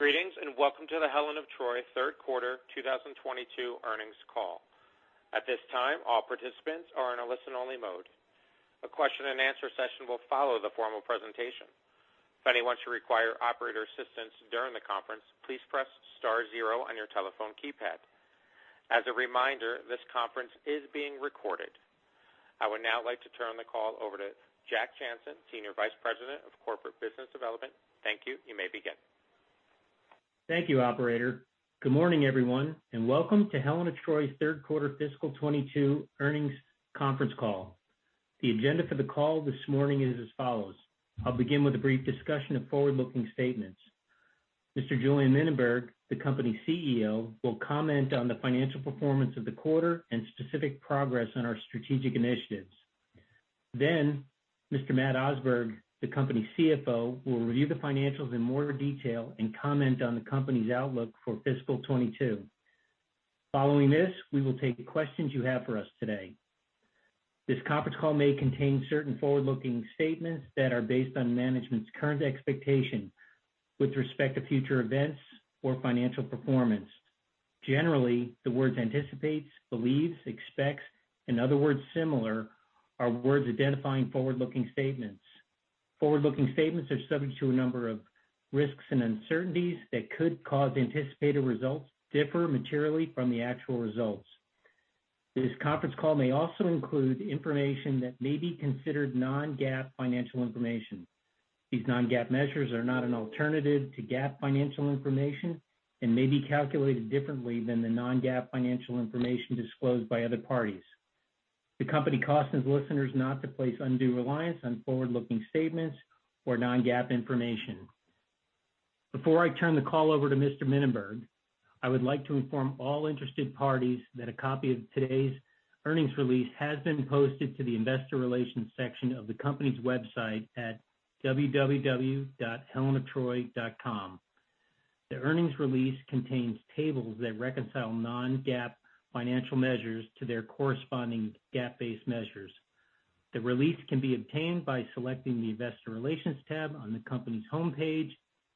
Greetings, and welcome to the Helen of Troy third quarter 2022 earnings call. At this time, all participants are in a listen-only mode. A question and answer session will follow the formal presentation. If anyone should require operator assistance during the conference, please press star zero on your telephone keypad. As a reminder, this conference is being recorded. I would now like to turn the call over to Jack Jancin, Senior Vice President of Corporate Business Development. Thank you. You may begin. Thank you, operator. Good morning, everyone, and welcome to Helen of Troy's third quarter fiscal 2022 earnings conference call. The agenda for the call this morning is as follows. I'll begin with a brief discussion of forward-looking statements. Mr. Julien Mininberg, the company's CEO, will comment on the financial performance of the quarter and specific progress on our strategic initiatives. Then Mr. Matt Osberg, the company's CFO, will review the financials in more detail and comment on the company's outlook for fiscal 2022. Following this, we will take the questions you have for us today. This conference call may contain certain forward-looking statements that are based on management's current expectation with respect to future events or financial performance. Generally, the words anticipates, believes, expects, and other words similar are words identifying forward-looking statements. Forward-looking statements are subject to a number of risks and uncertainties that could cause the anticipated results to differ materially from the actual results. This conference call may also include information that may be considered Non-GAAP financial information. These Non-GAAP measures are not an alternative to GAAP financial information and may be calculated differently than the Non-GAAP financial information disclosed by other parties. The company cautions listeners not to place undue reliance on forward-looking statements or Non-GAAP information. Before I turn the call over to Mr. Mininberg, I would like to inform all interested parties that a copy of today's earnings release has been posted to the investor relations section of the company's website at www.helensoftroy.com. The earnings release contains tables that reconcile Non-GAAP financial measures to their corresponding GAAP-based measures. The release can be obtained by selecting the Investor Relations tab on the company's homepage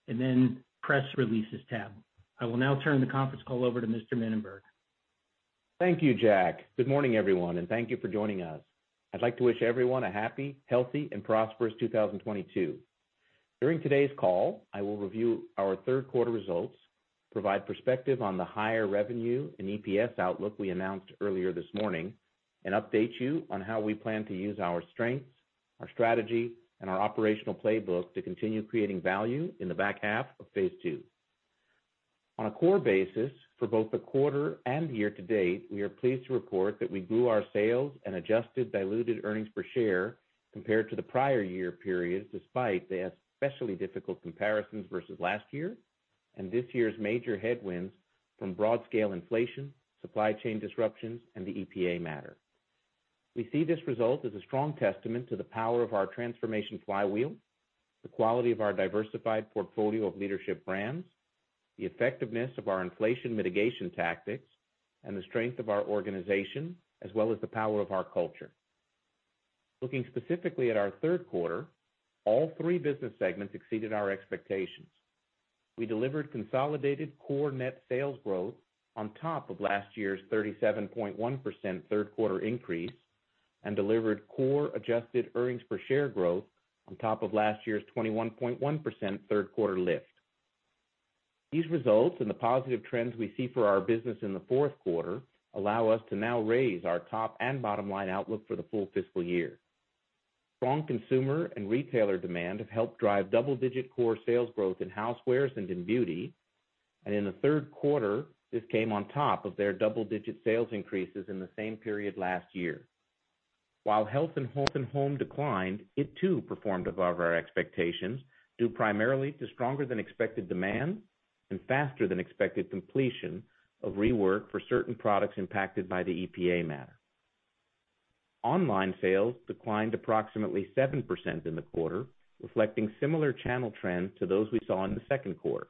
and then Press Releases tab. I will now turn the conference call over to Mr. Mininberg. Thank you, Jack. Good morning, everyone, and thank you for joining us. I'd like to wish everyone a happy, healthy, and prosperous 2022. During today's call, I will review our third quarter results, provide perspective on the higher revenue and EPS outlook we announced earlier this morning, and update you on how we plan to use our strengths, our strategy, and our operational playbook to continue creating value in the back half of phase ll. On a core basis, for both the quarter and year to date, we are pleased to report that we grew our sales and adjusted diluted earnings per share compared to the prior year period, despite the especially difficult comparisons versus last year and this year's major headwinds from broad scale inflation, supply chain disruptions, and the EPA matter. We see this result as a strong testament to the power of our transformation flywheel, the quality of our diversified portfolio of leadership brands, the effectiveness of our inflation mitigation tactics, and the strength of our organization, as well as the power of our culture. Looking specifically at our third quarter, all three business segments exceeded our expectations. We delivered consolidated core net sales growth on top of last year's 37.1% third quarter increase and delivered core adjusted earnings per share growth on top of last year's 21.1% third quarter lift. These results and the positive trends we see for our business in the fourth quarter allow us to now raise our top and bottom-line outlook for the full fiscal year. Strong consumer and retailer demand have helped drive double-digit core sales growth in Housewares and in Beauty. In the third quarter, this came on top of their double-digit sales increases in the same period last year. While health and home declined, it too performed above our expectations, due primarily to stronger than expected demand and faster than expected completion of rework for certain products impacted by the EPA matter. Online sales declined approximately 7% in the quarter, reflecting similar channel trends to those we saw in the second quarter.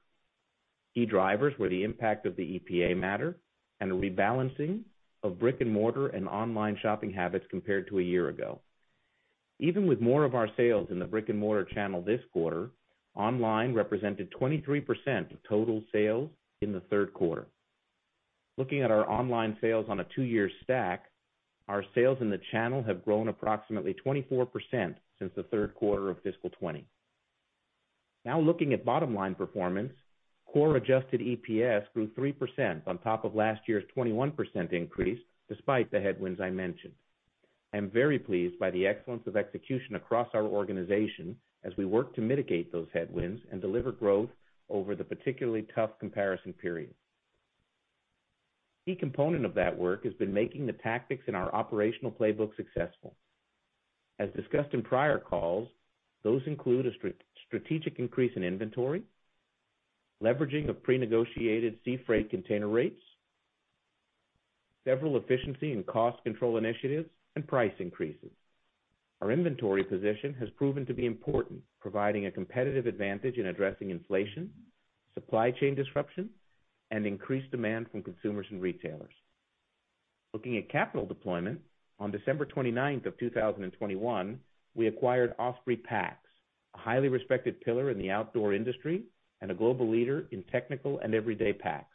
Key drivers were the impact of the EPA matter and a rebalancing of brick-and-mortar and online shopping habits compared to a year ago. Even with more of our sales in the brick-and-mortar channel this quarter, online represented 23% of total sales in the third quarter. Looking at our online sales on a 2 year stack, our sales in the channel have grown approximately 24% since the third quarter of fiscal 2020. Now looking at bottom-line performance, core Adjusted EPS grew 3% on top of last year's 21% increase, despite the headwinds I mentioned. I'm very pleased by the excellence of execution across our organization as we work to mitigate those headwinds and deliver growth over the particularly tough comparison period. Key component of that work has been making the tactics in our operational playbook successful. As discussed in prior calls, those include a strategic increase in inventory, leveraging of prenegotiated sea freight container rates, several efficiency and cost control initiatives, and price increases. Our inventory position has proven to be important, providing a competitive advantage in addressing inflation, supply chain disruption, and increased demand from consumers and retailers. Looking at capital deployment, on December 29, 2021, we acquired Osprey Packs, a highly respected pillar in the outdoor industry and a global leader in technical and everyday packs.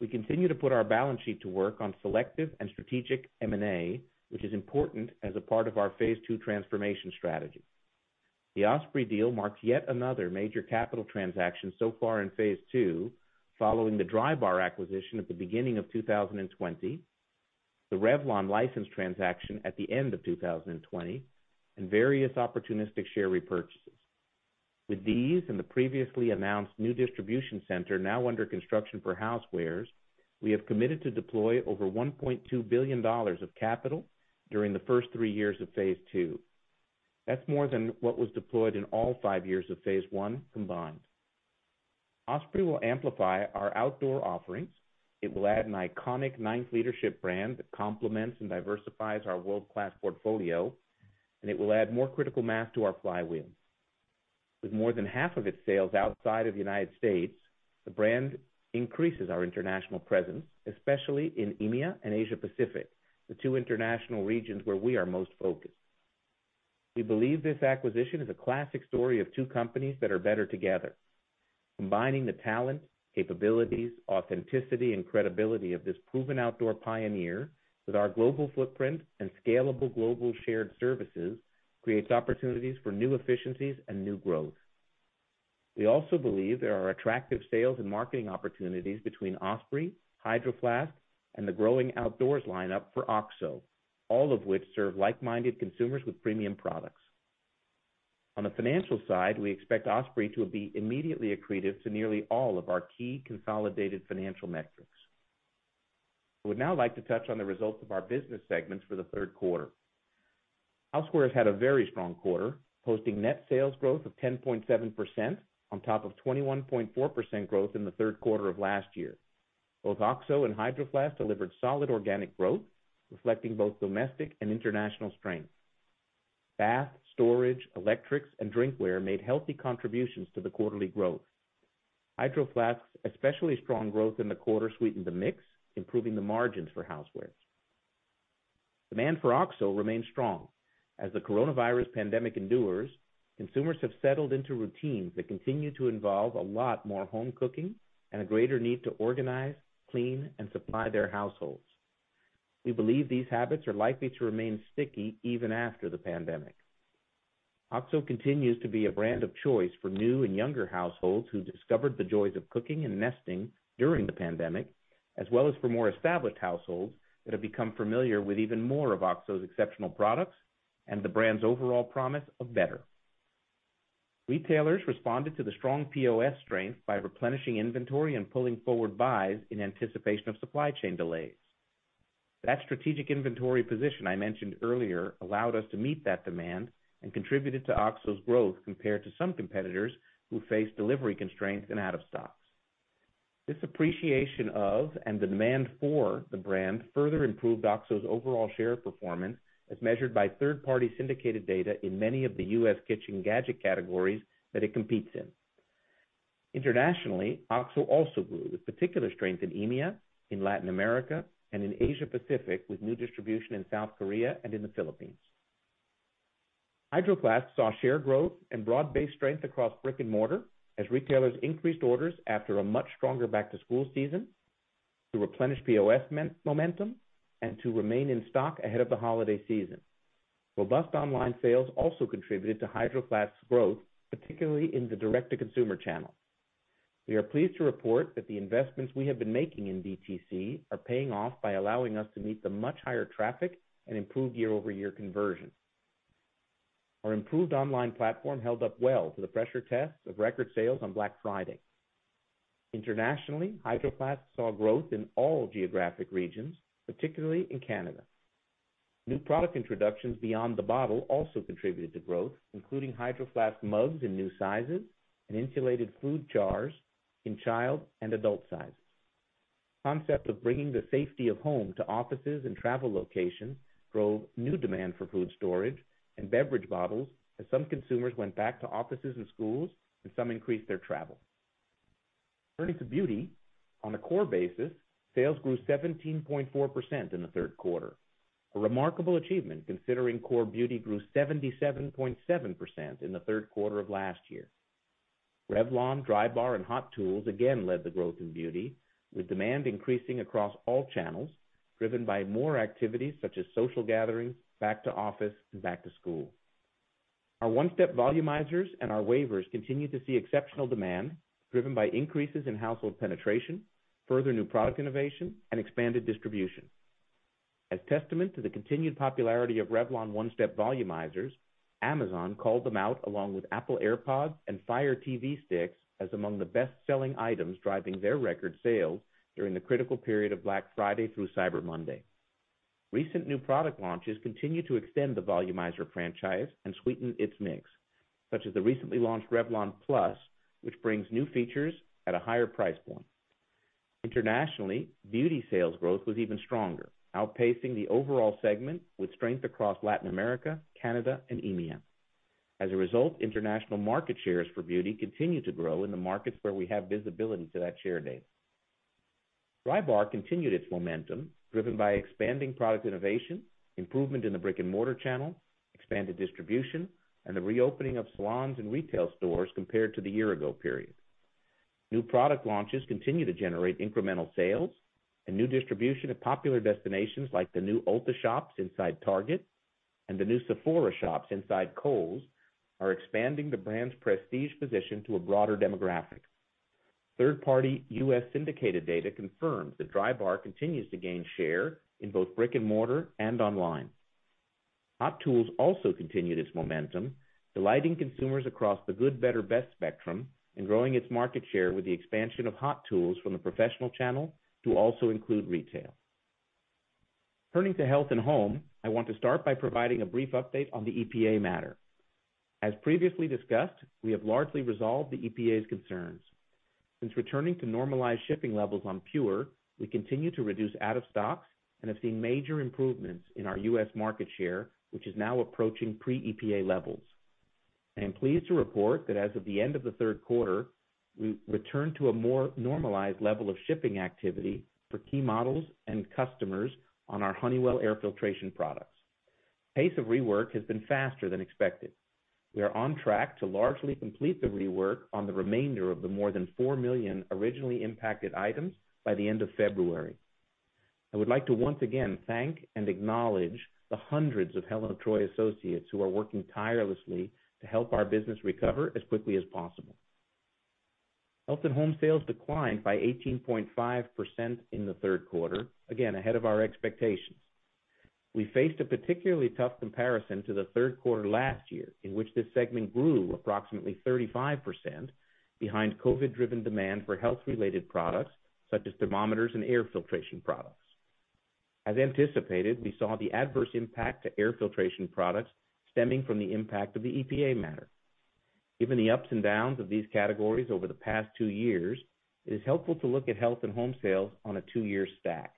We continue to put our balance sheet to work on selective and strategic M&A, which is important as a part of our phase ll transformation strategy. The Osprey deal marks yet another major capital transaction so far in phase ll, following the Drybar acquisition at the beginning of 2020, the Revlon license transaction at the end of 2020, and various opportunistic share repurchases. With these and the previously announced new distribution center now under construction for Housewares, we have committed to deploy over $1.2 billion of capital during the first three years of phase ll. That's more than what was deployed in all five years of phase l combined. Osprey will amplify our outdoor offerings. It will add an iconic ninth leadership brand that complements and diversifies our world-class portfolio, and it will add more critical mass to our flywheel. With more than half of its sales outside of the United States, the brand increases our international presence, especially in EMEA and Asia Pacific, the two international regions where we are most focused. We believe this acquisition is a classic story of two companies that are better together. Combining the talent, capabilities, authenticity, and credibility of this proven outdoor pioneer with our global footprint and scalable global shared services creates opportunities for new efficiencies and new growth. We also believe there are attractive sales and marketing opportunities between Osprey, Hydro Flask, and the growing outdoors lineup for OXO, all of which serve like-minded consumers with premium products. On the financial side, we expect Osprey to be immediately accretive to nearly all of our key consolidated financial metrics. I would now like to touch on the results of our business segments for the third quarter. Housewares had a very strong quarter, posting net sales growth of 10.7% on top of 21.4% growth in the third quarter of last year. Both OXO and Hydro Flask delivered solid organic growth, reflecting both domestic and international strength. Bath, storage, electrics, and drinkware made healthy contributions to the quarterly growth. Hydro Flask's especially strong growth in the quarter sweetened the mix, improving the margins for Housewares. Demand for OXO remains strong. As the coronavirus pandemic endures, consumers have settled into routines that continue to involve a lot more home cooking and a greater need to organize, clean, and supply their households. We believe these habits are likely to remain sticky even after the pandemic. OXO continues to be a brand of choice for new and younger households who discovered the joys of cooking and nesting during the pandemic, as well as for more established households that have become familiar with even more of OXO's exceptional products and the brand's overall promise of better. Retailers responded to the strong POS strength by replenishing inventory and pulling forward buys in anticipation of supply chain delays. That strategic inventory position I mentioned earlier allowed us to meet that demand and contributed to OXO's growth compared to some competitors who faced delivery constraints and out of stocks. This appreciation of and the demand for the brand further improved OXO's overall share performance, as measured by third-party syndicated data in many of the U.S. kitchen gadget categories that it competes in. Internationally, OXO also grew, with particular strength in EMEA, in Latin America, and in Asia Pacific, with new distribution in South Korea and in the Philippines. Hydro Flask saw share growth and broad-based strength across brick-and-mortar as retailers increased orders after a much stronger back-to-school season to replenish POS momentum and to remain in stock ahead of the holiday season. Robust online sales also contributed to Hydro Flask's growth, particularly in the direct-to-consumer channel. We are pleased to report that the investments we have been making in DTC are paying off by allowing us to meet the much higher traffic and improve year-over-year conversion. Our improved online platform held up well to the pressure test of record sales on Black Friday. Internationally, Hydro Flask saw growth in all geographic regions, particularly in Canada. New product introductions beyond the bottle also contributed to growth, including Hydro Flask mugs in new sizes and insulated food jars in child and adult sizes. The concept of bringing the safety of home to offices and travel locations drove new demand for food storage and beverage bottles as some consumers went back to offices and schools and some increased their travel. Turning to Beauty, on a core basis, sales grew 17.4% in the third quarter, a remarkable achievement considering core Beauty grew 77.7% in the third quarter of last year. Revlon, Drybar, and Hot Tools again led the growth in Beauty, with demand increasing across all channels, driven by more activities such as social gatherings, back to office, and back to school. Our One-Step Volumizers and our wavers continue to see exceptional demand, driven by increases in household penetration, further new product innovation, and expanded distribution. As testament to the continued popularity of Revlon One-Step Volumizers, Amazon called them out along with Apple AirPods and Fire TV Sticks as among the best-selling items driving their record sales during the critical period of Black Friday through Cyber Monday. Recent new product launches continue to extend the Volumizer franchise and sweeten its mix, such as the recently launched Revlon One-Step Volumizer PLUS, which brings new features at a higher price point. Internationally, Beauty sales growth was even stronger, outpacing the overall segment with strength across Latin America, Canada, and EMEA. As a result, international market shares for Beauty continue to grow in the markets where we have visibility to that share data. Drybar continued its momentum, driven by expanding product innovation, improvement in the brick-and-mortar channel, expanded distribution, and the reopening of salons and retail stores compared to the year ago period. New product launches continue to generate incremental sales, and new distribution at popular destinations like the new Ulta shops inside Target and the new Sephora shops inside Kohl's are expanding the brand's prestige position to a broader demographic. Third-party U.S. syndicated data confirms that Drybar continues to gain share in both brick-and-mortar and online. Hot Tools also continued its momentum, delighting consumers across the good, better, best spectrum and growing its market share with the expansion of Hot Tools from the professional channel to also include retail. Turning to Health and Home, I want to start by providing a brief update on the EPA matter. As previously discussed, we have largely resolved the EPA's concerns. Since returning to normalized shipping levels on PUR, we continue to reduce out-of-stocks and have seen major improvements in our U.S. market share, which is now approaching pre-EPA levels. I am pleased to report that as of the end of the third quarter, we returned to a more normalized level of shipping activity for key models and customers on our Honeywell air filtration products. Pace of rework has been faster than expected. We are on track to largely complete the rework on the remainder of the more than 4 million originally impacted items by the end of February. I would like to once again thank and acknowledge the hundreds of Helen of Troy associates who are working tirelessly to help our business recover as quickly as possible. Health and Home sales declined by 18.5% in the third quarter, again, ahead of our expectations. We faced a particularly tough comparison to the third quarter last year, in which this segment grew approximately 35% behind COVID-driven demand for health-related products such as thermometers and air filtration products. As anticipated, we saw the adverse impact to air filtration products stemming from the impact of the EPA matter. Given the ups and downs of these categories over the past 2 years, it is helpful to look at Health and Home sales on a two-year stack.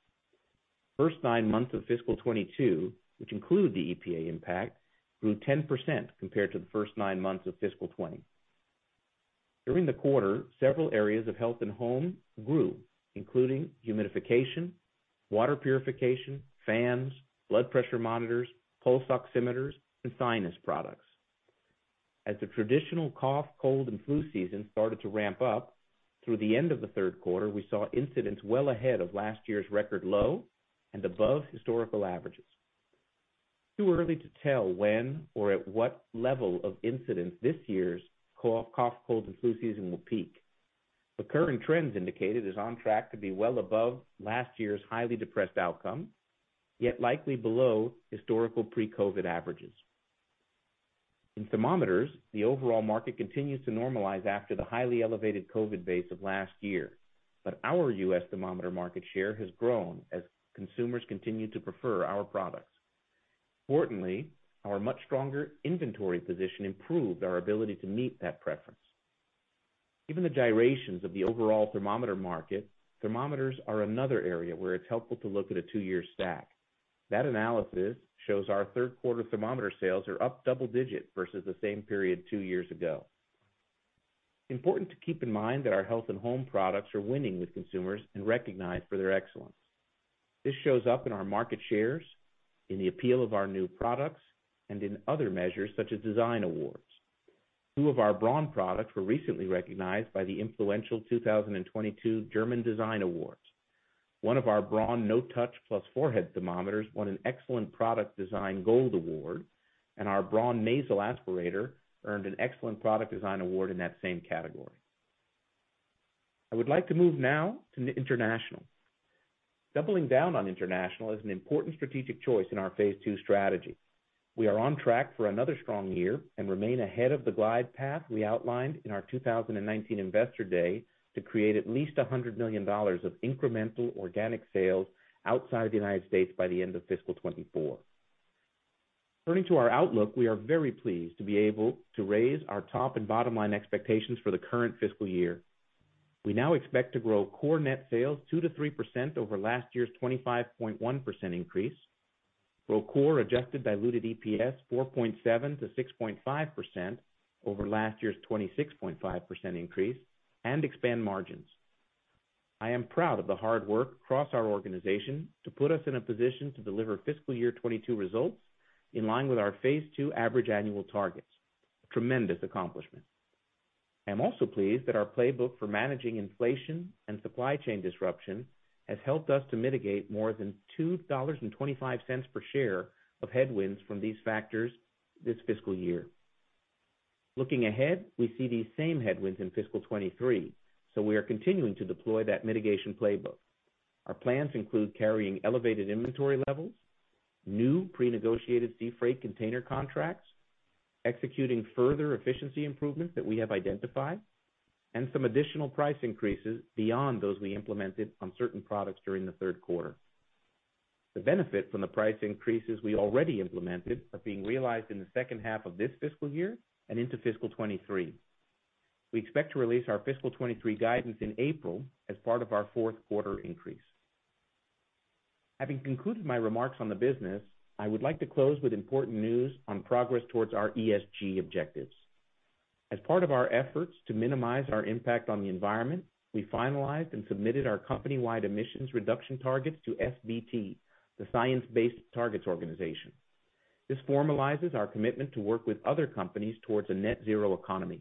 First 9 months of fiscal 2022, which include the Omicron impact, grew 10% compared to the first 9 months of fiscal 2020. During the quarter, several areas of Health and Home grew, including humidification, water purification, fans, blood pressure monitors, pulse oximeters, and sinus products. As the traditional cough, cold, and flu season started to ramp up through the end of the third quarter, we saw incidence well ahead of last year's record low and above historical averages. Too early to tell when or at what level of incidence this year's cough, cold, and flu season will peak. The current trends indicated is on track to be well above last year's highly depressed outcome, yet likely below historical pre-COVID averages. In thermometers, the overall market continues to normalize after the highly elevated COVID base of last year, but our U.S. thermometer market share has grown as consumers continue to prefer our products. Importantly, our much stronger inventory position improved our ability to meet that preference. Given the gyrations of the overall thermometer market, thermometers are another area where it's helpful to look at a two-year stack. That analysis shows our third quarter thermometer sales are up double-digit versus the same period two years ago. Important to keep in mind that our Health and Home products are winning with consumers and recognized for their excellence. This shows up in our market shares, in the appeal of our new products, and in other measures such as design awards. Two of our Braun products were recently recognized by the influential 2022 German Design Awards. One of our Braun No Touch + Forehead Thermometers won an Excellent Product Design Gold Award, and our Braun Nasal Aspirator earned an Excellent Product Design Award in that same category. I would like to move now to international. Doubling down on international is an important strategic choice in our phase ll strategy. We are on track for another strong year and remain ahead of the glide path we outlined in our 2019 investor day to create at least $100 million of incremental organic sales outside the United States by the end of fiscal 2024. Turning to our outlook, we are very pleased to be able to raise our top and bottom line expectations for the current fiscal year. We now expect to grow core net sales 2%-3% over last year's 25.1% increase, grow core adjusted diluted EPS 4.7%-6.5% over last year's 26.5% increase, and expand margins. I am proud of the hard work across our organization to put us in a position to deliver fiscal year 2022 results in line with our phase ll average annual targets. A tremendous accomplishment. I am also pleased that our playbook for managing inflation and supply chain disruption has helped us to mitigate more than $2.25 per share of headwinds from these factors this fiscal year. Looking ahead, we see these same headwinds in fiscal 2023, so we are continuing to deploy that mitigation playbook. Our plans include carrying elevated inventory levels, new pre-negotiated sea freight container contracts, executing further efficiency improvements that we have identified, and some additional price increases beyond those we implemented on certain products during the third quarter. The benefit from the price increases we already implemented are being realized in the second half of this fiscal year and into fiscal 2023. We expect to release our fiscal 2023 guidance in April as part of our fourth quarter earnings release. Having concluded my remarks on the business, I would like to close with important news on progress towards our ESG objectives. As part of our efforts to minimize our impact on the environment, we finalized and submitted our company-wide emissions reduction targets to SBTi, the Science Based Targets organization. This formalizes our commitment to work with other companies towards a net zero economy.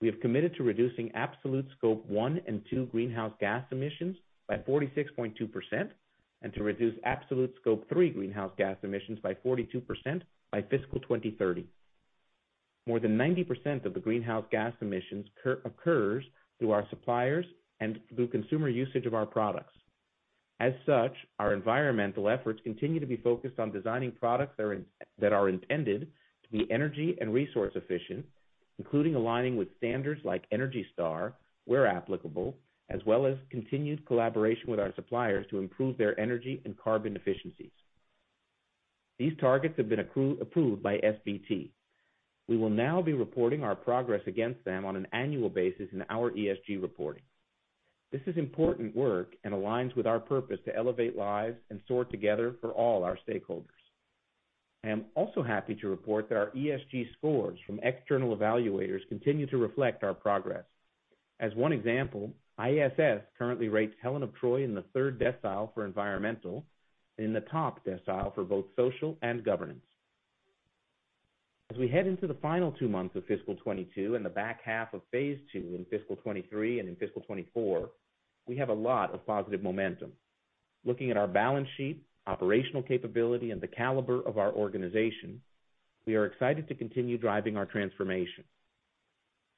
We have committed to reducing absolute scope one and two greenhouse gas emissions by 46.2% and to reduce absolute scope three greenhouse gas emissions by 42% by fiscal 2030. More than 90% of the greenhouse gas emissions occurs through our suppliers and through consumer usage of our products. As such, our environmental efforts continue to be focused on designing products that are intended to be energy and resource efficient, including aligning with standards like ENERGY STAR, where applicable, as well as continued collaboration with our suppliers to improve their energy and carbon efficiencies. These targets have been approved by SBTi. We will now be reporting our progress against them on an annual basis in our ESG reporting. This is important work and aligns with our purpose to elevate lives and soar together for all our stakeholders. I am also happy to report that our ESG scores from external evaluators continue to reflect our progress. As one example, ISS currently rates Helen of Troy in the third decile for environmental, in the top decile for both social and governance. As we head into the final two months of fiscal 2022 and the back half of phase ll in fiscal 2023 and in fiscal 2024, we have a lot of positive momentum. Looking at our balance sheet, operational capability, and the caliber of our organization, we are excited to continue driving our transformation.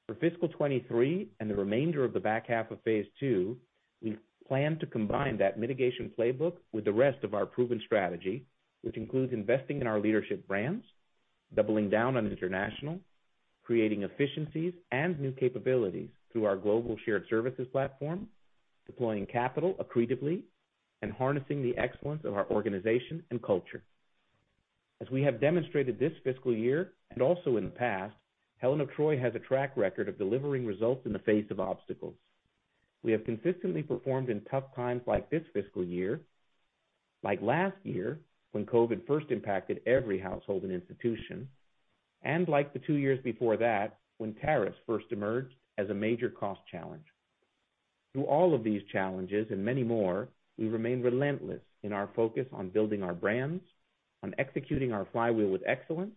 For fiscal 2023 and the remainder of the back half of phase ll, we plan to combine that mitigation playbook with the rest of our proven strategy, which includes investing in our leadership brands, doubling down on international, creating efficiencies and new capabilities through our global shared services platform, deploying capital accretively, and harnessing the excellence of our organization and culture. As we have demonstrated this fiscal year, and also in the past, Helen of Troy has a track record of delivering results in the face of obstacles. We have consistently performed in tough times like this fiscal year, like last year, when COVID first impacted every household and institution, and like the 2 years before that, when tariffs first emerged as a major cost challenge. Through all of these challenges and many more, we remain relentless in our focus on building our brands, on executing our flywheel with excellence,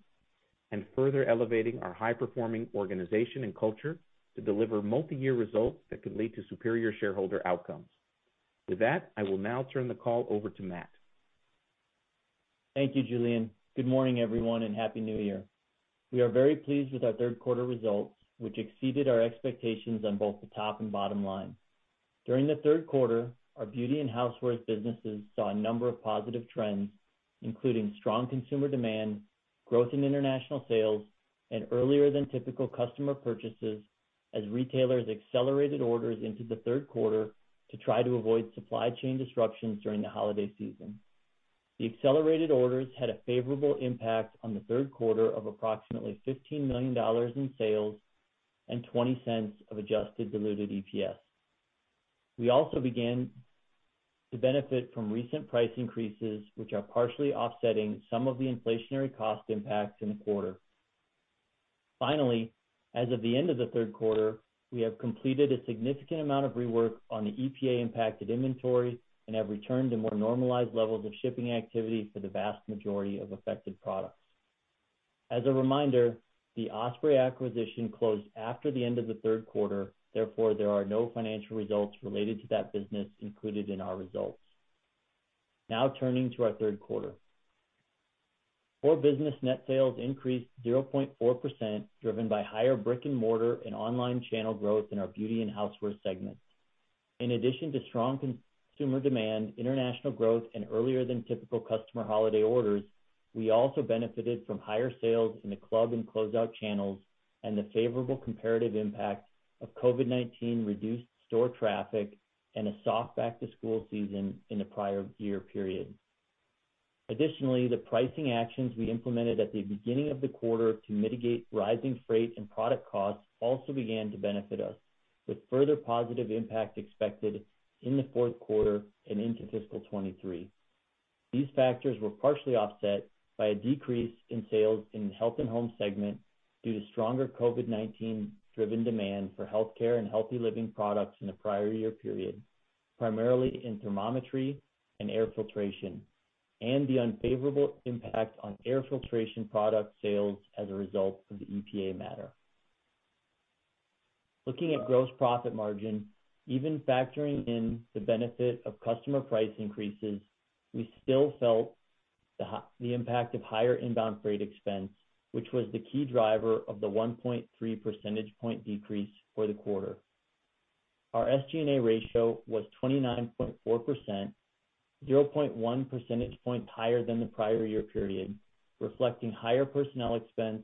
and further elevating our high-performing organization and culture to deliver multi-year results that can lead to superior shareholder outcomes. With that, I will now turn the call over to Matt. Thank you, Julien. Good morning, everyone, and happy New Year. We are very pleased with our third quarter results, which exceeded our expectations on both the top and bottom line. During the third quarter, our beauty and housewares businesses saw a number of positive trends, including strong consumer demand, growth in international sales, and earlier than typical customer purchases as retailers accelerated orders into the third quarter to try to avoid supply chain disruptions during the holiday season. The accelerated orders had a favorable impact on the third quarter of approximately $15 million in sales and $0.20 of adjusted diluted EPS. We also began to benefit from recent price increases, which are partially offsetting some of the inflationary cost impacts in the quarter. Finally, as of the end of the third quarter, we have completed a significant amount of rework on the EPA-impacted inventory and have returned to more normalized levels of shipping activity for the vast majority of affected products. As a reminder, the Osprey acquisition closed after the end of the third quarter, therefore there are no financial results related to that business included in our results. Now turning to our third quarter. Core business net sales increased 0.4%, driven by higher brick-and-mortar and online channel growth in our beauty and housewares segments. In addition to strong consumer demand, international growth, and earlier than typical customer holiday orders, we also benefited from higher sales in the club and closeout channels and the favorable comparative impact of COVID-19 reduced store traffic and a soft back-to-school season in the prior year period. Additionally, the pricing actions we implemented at the beginning of the quarter to mitigate rising freight and product costs also began to benefit us, with further positive impact expected in the fourth quarter and into fiscal 2023. These factors were partially offset by a decrease in sales in the health and home segment due to stronger COVID-19-driven demand for healthcare and healthy living products in the prior year period, primarily in thermometry and air filtration, and the unfavorable impact on air filtration product sales as a result of the EPA matter. Looking at gross profit margin, even factoring in the benefit of customer price increases, we still felt the impact of higher inbound freight expense, which was the key driver of the 1.3 percentage point decrease for the quarter. Our SG&A ratio was 29.4%, 0.1 percentage point higher than the prior year period, reflecting higher personnel expense,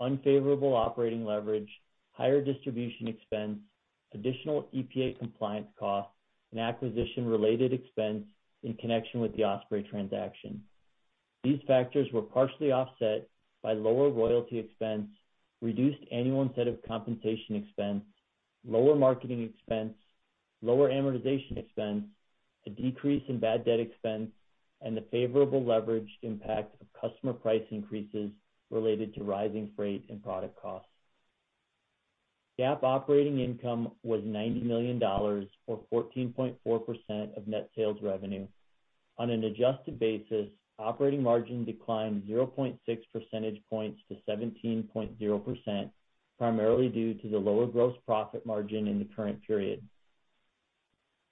unfavorable operating leverage, higher distribution expense, additional EPA compliance costs, and acquisition-related expense in connection with the Osprey transaction. These factors were partially offset by lower royalty expense, reduced annual incentive compensation expense, lower marketing expense, lower amortization expense, a decrease in bad debt expense, and the favorable leverage impact of customer price increases related to rising freight and product costs. GAAP operating income was $90 million or 14.4% of net sales revenue. On an adjusted basis, operating margin declined 0.6 percentage points to 17.0%, primarily due to the lower gross profit margin in the current period.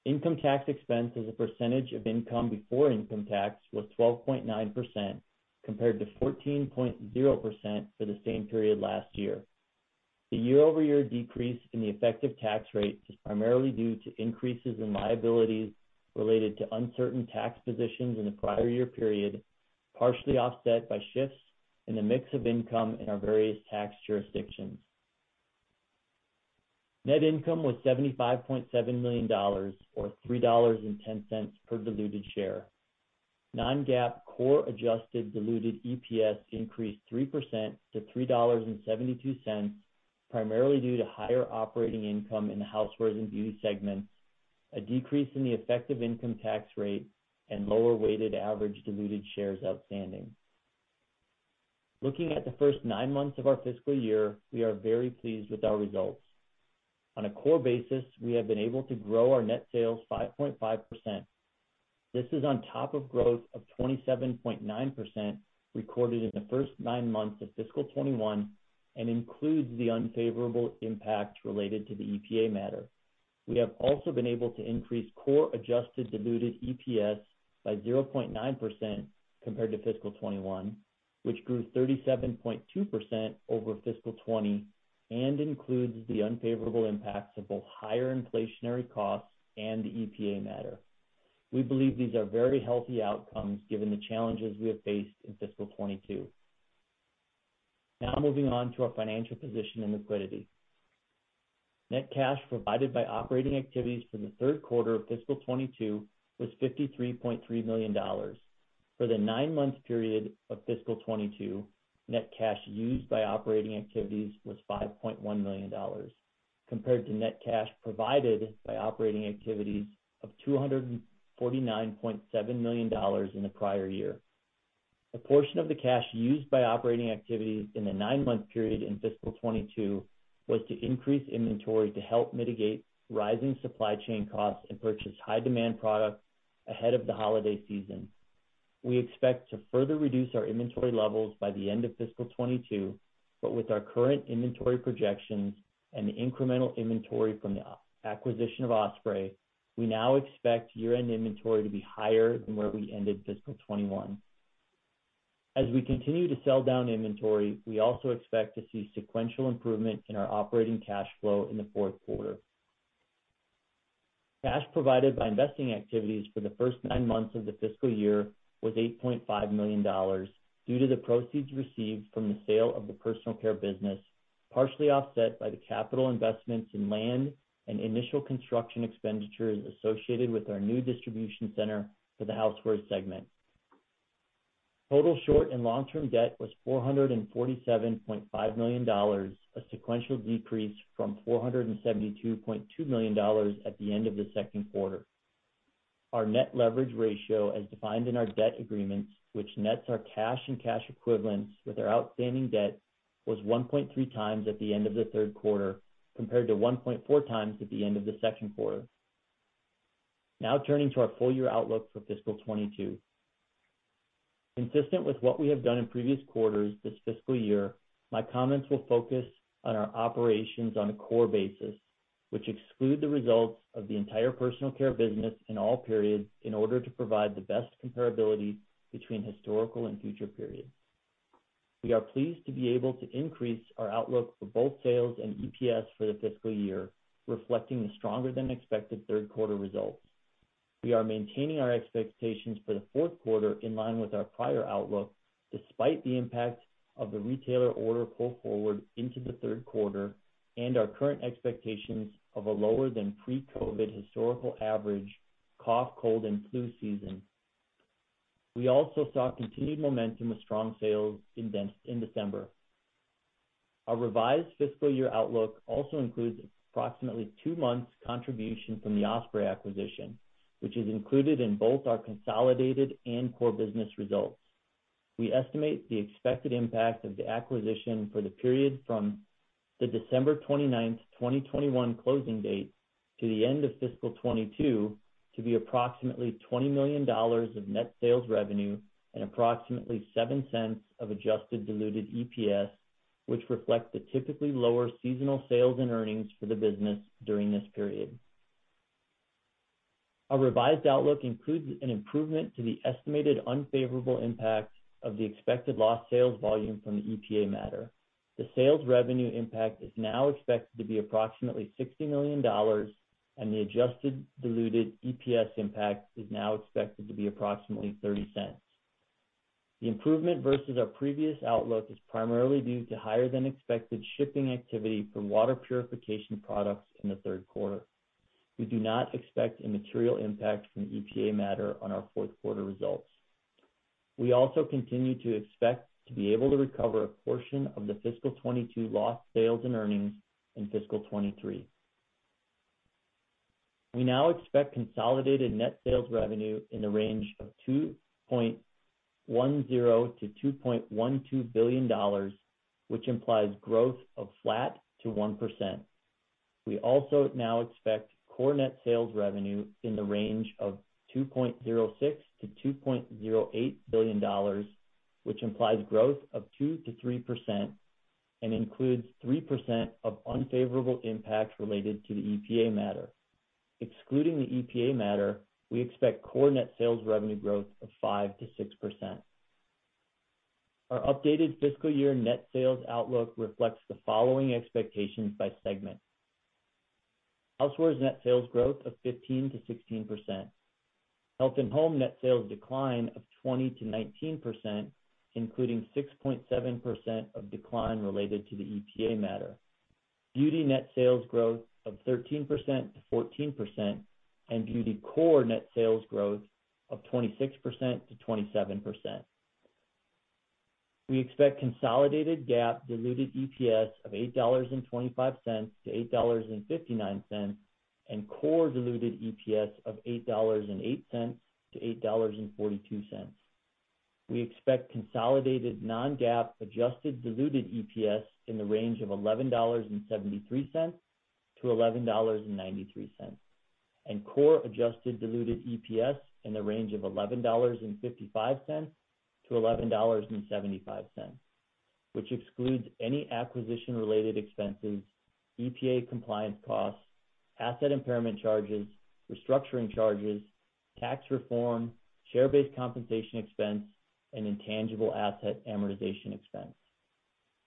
Income tax expense as a percentage of income before income tax was 12.9%, compared to 14.0% for the same period last year. The year-over-year decrease in the effective tax rate is primarily due to increases in liabilities related to uncertain tax positions in the prior year period, partially offset by shifts in the mix of income in our various tax jurisdictions. Net income was $75.7 million or $3.10 per diluted share. Non-GAAP core adjusted diluted EPS increased 3% to $3.72, primarily due to higher operating income in the Housewares and Beauty segment, a decrease in the effective income tax rate, and lower weighted average diluted shares outstanding. Looking at the first nine months of our fiscal year, we are very pleased with our results. On a core basis, we have been able to grow our net sales 5.5%. This is on top of growth of 27.9% recorded in the first nine months of fiscal 2021 and includes the unfavorable impact related to the EPA matter. We have also been able to increase core adjusted diluted EPS by 0.9% compared to fiscal 2021, which grew 37.2% over fiscal 2020 and includes the unfavorable impacts of both higher inflationary costs and the EPA matter. We believe these are very healthy outcomes given the challenges we have faced in fiscal 2022. Now moving on to our financial position and liquidity. Net cash provided by operating activities for the third quarter of fiscal 2022 was $53.3 million. For the nine-month period of fiscal 2022, net cash used by operating activities was $5.1 million, compared to net cash provided by operating activities of $249.7 million in the prior year. A portion of the cash used by operating activities in the nine-month period in fiscal 2022 was to increase inventory to help mitigate rising supply chain costs and purchase high demand products ahead of the holiday season. We expect to further reduce our inventory levels by the end of fiscal 2022, but with our current inventory projections and the incremental inventory from the acquisition of Osprey, we now expect year-end inventory to be higher than where we ended fiscal 2021. As we continue to sell down inventory, we also expect to see sequential improvement in our operating cash flow in the fourth quarter. Cash provided by investing activities for the first nine months of the fiscal year was $8.5 million due to the proceeds received from the sale of the Personal Care business, partially offset by the capital investments in land and initial construction expenditures associated with our new distribution center for the Housewares segment. Total short and long-term debt was $447.5 million, a sequential decrease from $472.2 million at the end of the second quarter. Our net leverage ratio, as defined in our debt agreements, which nets our cash and cash equivalents with our outstanding debt, was 1.3 times at the end of the third quarter, compared to 1.4 times at the end of the second quarter. Now turning to our full year outlook for fiscal 2022. Consistent with what we have done in previous quarters this fiscal year, my comments will focus on our operations on a core basis, which exclude the results of the entire Personal Care business in all periods in order to provide the best comparability between historical and future periods. We are pleased to be able to increase our outlook for both sales and EPS for the fiscal year, reflecting the stronger than expected third quarter results. We are maintaining our expectations for the fourth quarter in line with our prior outlook, despite the impact of the retailer order pull forward into the third quarter and our current expectations of a lower than pre-COVID historical average cough, cold, and flu season. We also saw continued momentum with strong sales in December. Our revised fiscal year outlook also includes approximately two months contribution from the Osprey acquisition, which is included in both our consolidated and core business results. We estimate the expected impact of the acquisition for the period from the December 29, 2021 closing date to the end of fiscal 2022 to be approximately $20 million of net sales revenue and approximately $0.07 of adjusted diluted EPS, which reflect the typically lower seasonal sales and earnings for the business during this period. Our revised outlook includes an improvement to the estimated unfavorable impact of the expected lost sales volume from the EPA matter. The sales revenue impact is now expected to be approximately $60 million, and the adjusted diluted EPS impact is now expected to be approximately $0.30. The improvement versus our previous outlook is primarily due to higher than expected shipping activity from water purification products in the third quarter. We do not expect a material impact from the EPA matter on our fourth quarter results. We also continue to expect to be able to recover a portion of the fiscal 2022 lost sales and earnings in fiscal 2023. We now expect consolidated net sales revenue in the range of $2.10 billion-$2.12 billion, which implies growth of flat to 1%. We also now expect core net sales revenue in the range of $2.06 billion-$2.08 billion, which implies growth of 2%-3% and includes 3% of unfavorable impacts related to the EPA matter. Excluding the EPA matter, we expect core net sales revenue growth of 5%-6%. Our updated fiscal year net sales outlook reflects the following expectations by segment. Housewares net sales growth of 15%-16%. Health and Home net sales decline of 20%-19%, including 6.7% of decline related to the EPA matter. Beauty net sales growth of 13%-14% and Beauty core net sales growth of 26%-27%. We expect consolidated GAAP diluted EPS of $8.25-$8.59, and core diluted EPS of $8.08-$8.42. We expect consolidated Non-GAAP adjusted diluted EPS in the range of $11.73-$11.93, and core adjusted diluted EPS in the range of $11.55-$11.75, which excludes any acquisition-related expenses, EPA compliance costs, asset impairment charges, restructuring charges, tax reform, share-based compensation expense, and intangible asset amortization expense.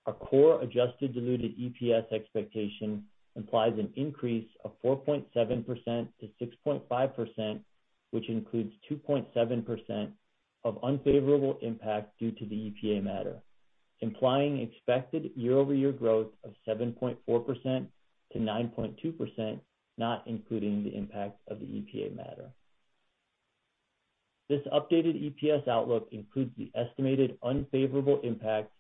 Our core adjusted diluted EPS expectation implies an increase of 4.7%-6.5%, which includes 2.7% of unfavorable impact due to the EPA matter, implying expected year-over-year growth of 7.4%-9.2%, not including the impact of the EPA matter. This updated EPS outlook includes the estimated unfavorable impact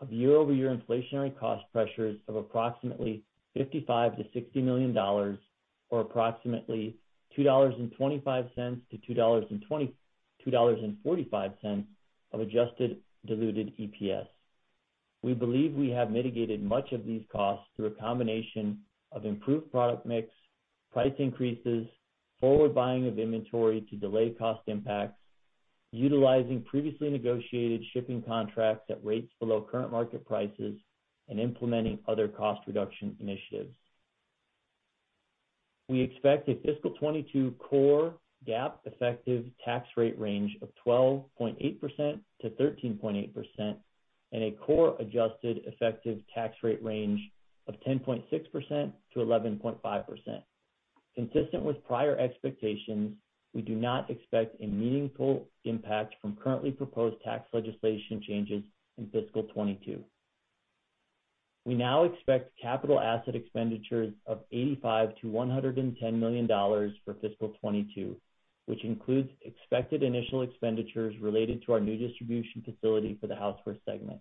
of year-over-year inflationary cost pressures of approximately $55 million-$60 million or approximately $2.25-$2.45 of adjusted diluted EPS. We believe we have mitigated much of these costs through a combination of improved product mix, price increases, forward buying of inventory to delay cost impacts, utilizing previously negotiated shipping contracts at rates below current market prices, and implementing other cost reduction initiatives. We expect a fiscal 2022 core GAAP effective tax rate range of 12.8%-13.8% and a core adjusted effective tax rate range of 10.6%-11.5%. Consistent with prior expectations, we do not expect a meaningful impact from currently proposed tax legislation changes in fiscal 2022. We now expect capital asset expenditures of $85 million-$110 million for fiscal 2022, which includes expected initial expenditures related to our new distribution facility for the Housewares segment.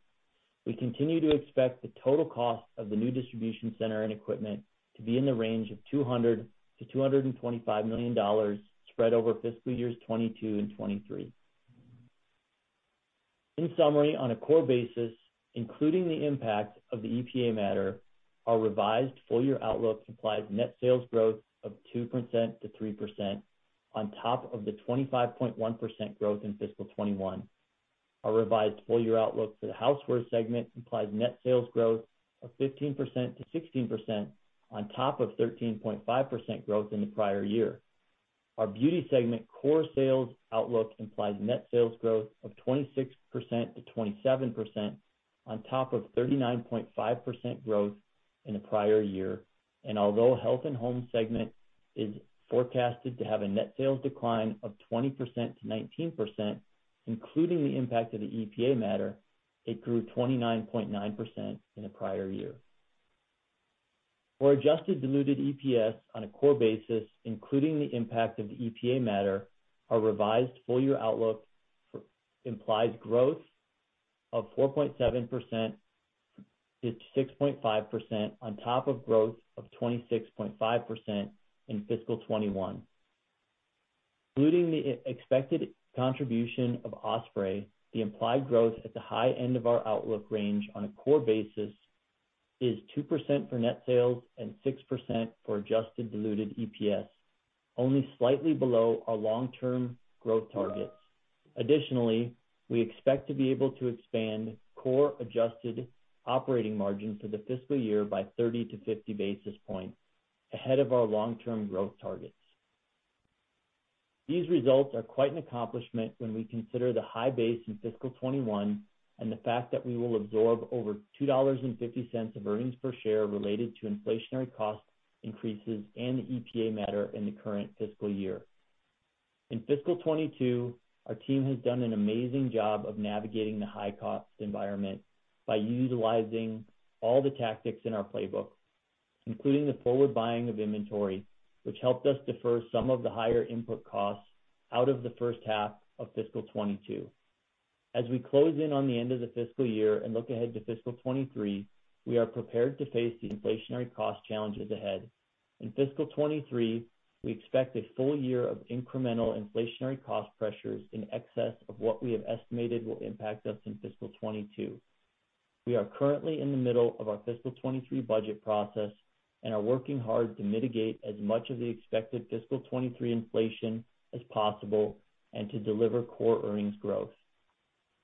We continue to expect the total cost of the new distribution center and equipment to be in the range of $200 million-$225 million spread over fiscal years 2022 and 2023. In summary, on a core basis, including the impact of the EPA matter, our revised full-year outlook implies net sales growth of 2%-3% on top of the 25.1% growth in fiscal 2021. Our revised full-year outlook for the Housewares segment implies net sales growth of 15%-16% on top of 13.5% growth in the prior year. Our beauty segment core sales outlook implies net sales growth of 26%-27% on top of 39.5% growth in the prior year. Although health and home segment is forecasted to have a net sales decline of 20%-19%, including the impact of the EPA matter, it grew 29.9% in the prior year. For adjusted diluted EPS on a core basis, including the impact of the EPA matter, our revised full-year outlook implies growth of 4.7%-6.5% on top of growth of 26.5% in fiscal 2021. Including the expected contribution of Osprey, the implied growth at the high end of our outlook range on a core basis is 2% for net sales and 6% for adjusted diluted EPS, only slightly below our long-term growth targets. Additionally, we expect to be able to expand core adjusted operating margin for the fiscal year by 30-50 basis points ahead of our long-term growth targets. These results are quite an accomplishment when we consider the high base in fiscal 2021 and the fact that we will absorb over $2.50 of earnings per share related to inflationary cost increases and the EPA matter in the current fiscal year. In fiscal 2022, our team has done an amazing job of navigating the high cost environment by utilizing all the tactics in our playbook, including the forward buying of inventory, which helped us defer some of the higher input costs out of the first half of fiscal 2022. As we close in on the end of the fiscal year and look ahead to fiscal 2023, we are prepared to face the inflationary cost challenges ahead. In fiscal 2023, we expect a full year of incremental inflationary cost pressures in excess of what we have estimated will impact us in fiscal 2022. We are currently in the middle of our fiscal 2023 budget process and are working hard to mitigate as much of the expected fiscal 2023 inflation as possible and to deliver core earnings growth.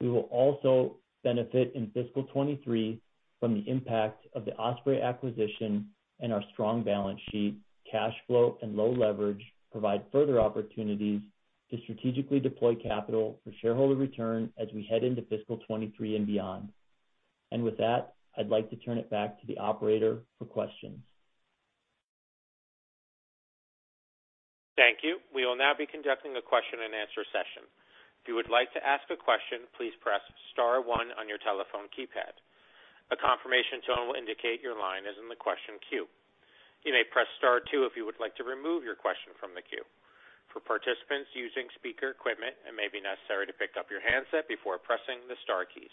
We will also benefit in fiscal 2023 from the impact of the Osprey acquisition and our strong balance sheet. Cash flow and low leverage provide further opportunities to strategically deploy capital for shareholder return as we head into fiscal 2023 and beyond. With that, I'd like to turn it back to the operator for questions. Thank you. We will now be conducting a question and answer session. If you would like to ask a question, please press star one on your telephone keypad. A confirmation tone will indicate your line is in the question queue. You may press star two if you would like to remove your question from the queue. For participants using speaker equipment, it may be necessary to pick up your handset before pressing the star keys.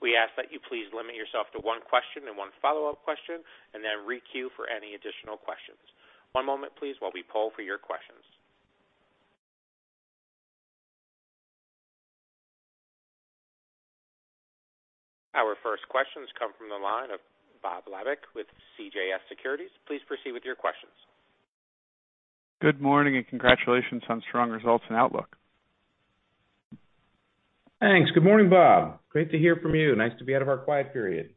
We ask that you please limit yourself to one question and one follow-up question and then re-queue for any additional questions. One moment, please, while we poll for your questions. Our first questions come from the line of Bob Labick with CJS Securities. Please proceed with your questions. Good morning and congratulations on strong results and outlook. Thanks. Good morning, Bob. Great to hear from you. Nice to be out of our quiet period.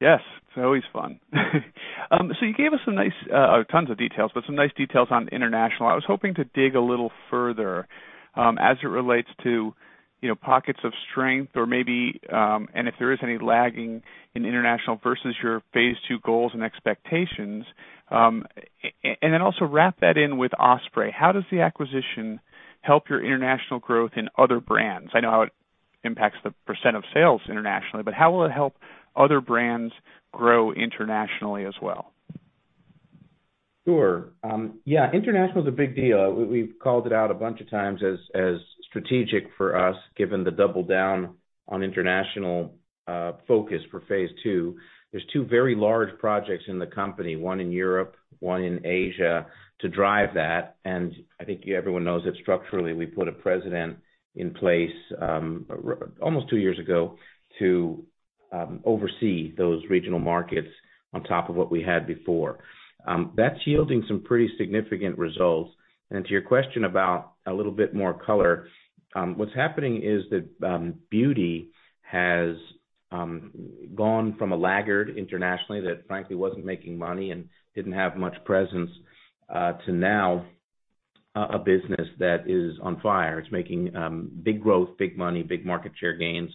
Yes, it's always fun. So you gave us some nice tons of details, but some nice details on international. I was hoping to dig a little further as it relates to, you know, pockets of strength or maybe and if there is any lagging in international versus your phase ll goals and expectations. And then also wrap that in with Osprey. How does the acquisition help your international growth in other brands? I know how it impacts the percent of sales internationally, but how will it help other brands grow internationally as well? Sure. Yeah, international is a big deal. We've called it out a bunch of times as strategic for us, given the double down on international focus for phase ll. There's two very large projects in the company, one in Europe, one in Asia, to drive that. I think everyone knows that structurally, we put a president in place, almost two years ago to oversee those regional markets on top of what we had before. That's yielding some pretty significant results. To your question about a little bit more color, what's happening is that Beauty has gone from a laggard internationally that frankly wasn't making money and didn't have much presence to now a business that is on fire. It's making big growth, big money, big market share gains.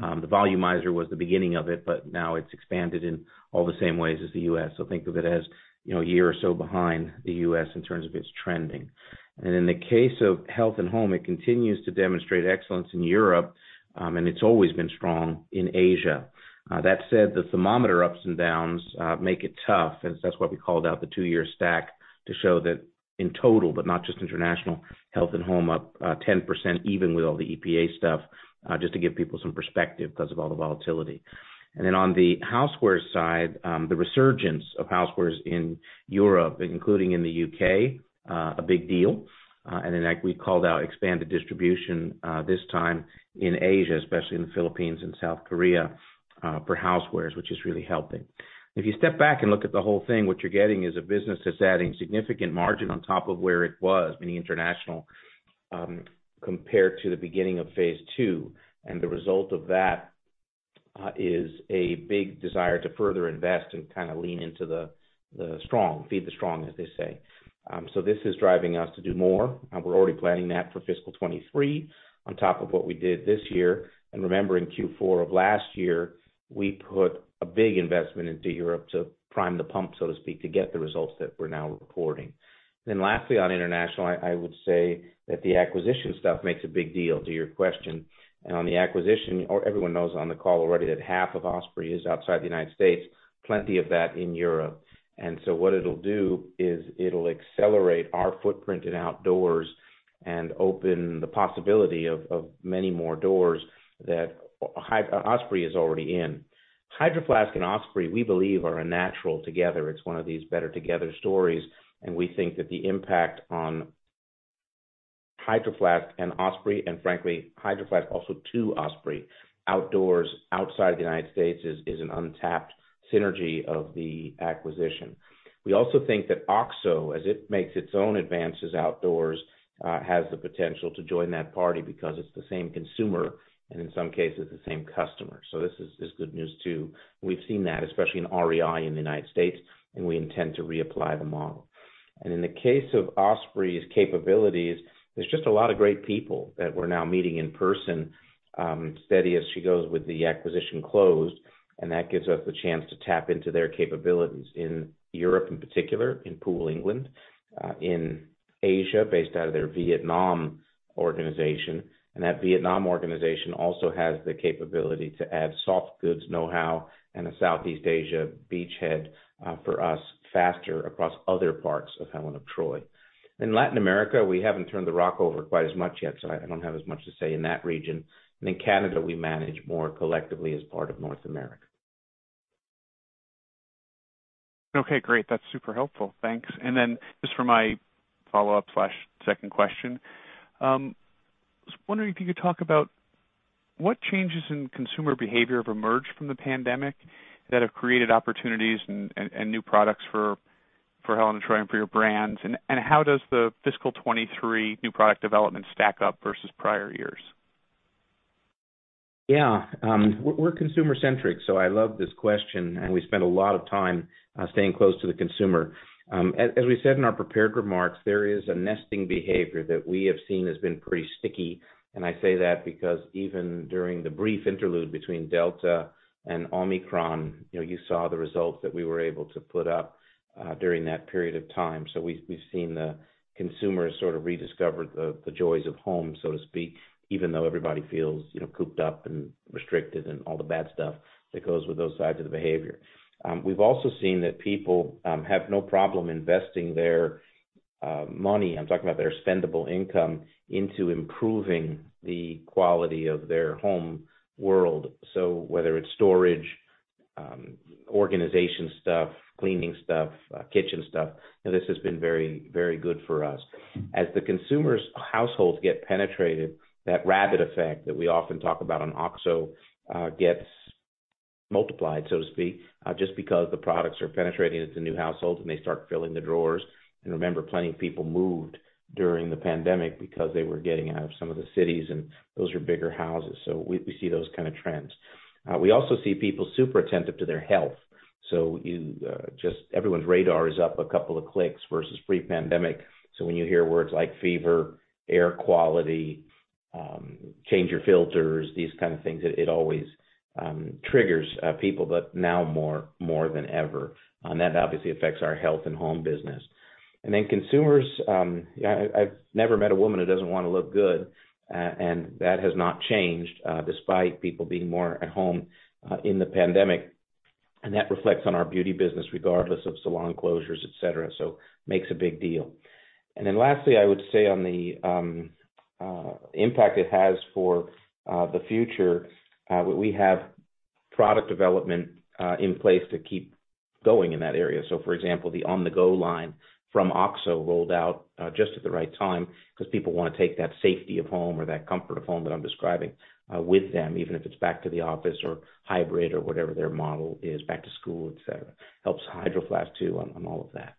The volumizer was the beginning of it, but now it's expanded in all the same ways as the U.S. Think of it as, you know, a year or so behind the U.S. in terms of its trending. In the case of health and home, it continues to demonstrate excellence in Europe, and it's always been strong in Asia. That said, the thermometer ups and downs make it tough, and that's why we called out the two-year stack to show that in total, but not just international, health and home up 10%, even with all the EPA stuff, just to give people some perspective because of all the volatility. On the housewares side, the resurgence of housewares in Europe, including in the U.K., a big deal. Like we called out, expanded distribution this time in Asia, especially in the Philippines and South Korea, for housewares, which is really helping. If you step back and look at the whole thing, what you're getting is a business that's adding significant margin on top of where it was in the international, compared to the beginning of phase ll. The result of that is a big desire to further invest and kind of lean into the strong, feed the strong, as they say. This is driving us to do more, and we're already planning that for fiscal 2023 on top of what we did this year. Remember, in Q4 of last year, we put a big investment into Europe to prime the pump, so to speak, to get the results that we're now reporting. Lastly, on international, I would say that the acquisition stuff makes a big deal to your question. On the acquisition, or everyone knows on the call already that half of Osprey is outside the United States, plenty of that in Europe. What it'll do is it'll accelerate our footprint in outdoors and open the possibility of many more doors that Osprey is already in. Hydro Flask and Osprey, we believe, are a natural together. It's one of these better together stories, and we think that the impact on Hydro Flask and Osprey, and frankly, Hydro Flask also to Osprey outdoors outside the United States is an untapped synergy of the acquisition. We also think that OXO, as it makes its own advances outdoors, has the potential to join that party because it's the same consumer and in some cases the same customer. This is good news too. We've seen that, especially in REI in the U.S., and we intend to reapply the model. In the case of Osprey's capabilities, there's just a lot of great people that we're now meeting in person, steady as she goes with the acquisition closed, and that gives us the chance to tap into their capabilities in Europe, in particular in Poole, England, in Asia, based out of their Vietnam organization. That Vietnam organization also has the capability to add soft goods know-how and a Southeast Asia beachhead, for us faster across other parts of Helen of Troy. In Latin America, we haven't turned the rock over quite as much yet, so I don't have as much to say in that region. In Canada, we manage more collectively as part of North America. Okay, great. That's super helpful. Thanks. Just for my follow-up/second question, I was wondering if you could talk about what changes in consumer behavior have emerged from the pandemic that have created opportunities and new products for Helen of Troy and for your brands. How does the fiscal 2023 new product development stack up versus prior years? Yeah. We're consumer-centric, so I love this question, and we spend a lot of time staying close to the consumer. As we said in our prepared remarks, there is a nesting behavior that we have seen has been pretty sticky. I say that because even during the brief interlude between Delta and Omicron, you know, you saw the results that we were able to put up during that period of time. We've seen the consumers sort of rediscover the joys of home, so to speak, even though everybody feels, you know, cooped up and restricted and all the bad stuff that goes with those sides of the behavior. We've also seen that people have no problem investing their money, I'm talking about their spendable income, into improving the quality of their home world. Whether it's storage, organization stuff, cleaning stuff, kitchen stuff, this has been very, very good for us. As the consumers' households get penetrated, that rabbit effect that we often talk about on OXO gets multiplied, so to speak, just because the products are penetrating into new households and they start filling the drawers. Remember, plenty of people moved during the pandemic because they were getting out of some of the cities, and those are bigger houses. We see those kind of trends. We also see people super attentive to their health. Just everyone's radar is up a couple of clicks versus pre-pandemic. When you hear words like fever, air quality, change your filters, these kind of things, it always triggers people, but now more than ever. That obviously affects our health and home business. Consumers, I've never met a woman who doesn't wanna look good. That has not changed despite people being more at home in the pandemic. That reflects on our beauty business regardless of salon closures, et cetera, makes a big deal. I would say on the impact it has for the future, we have product development in place to keep going in that area. For example, the On-The-Go line from OXO rolled out just at the right time 'cause people wanna take that safety of home or that comfort of home that I'm describing with them, even if it's back to the office or hybrid or whatever their model is, back to school, et cetera. helps Hydro Flask too, on all of that.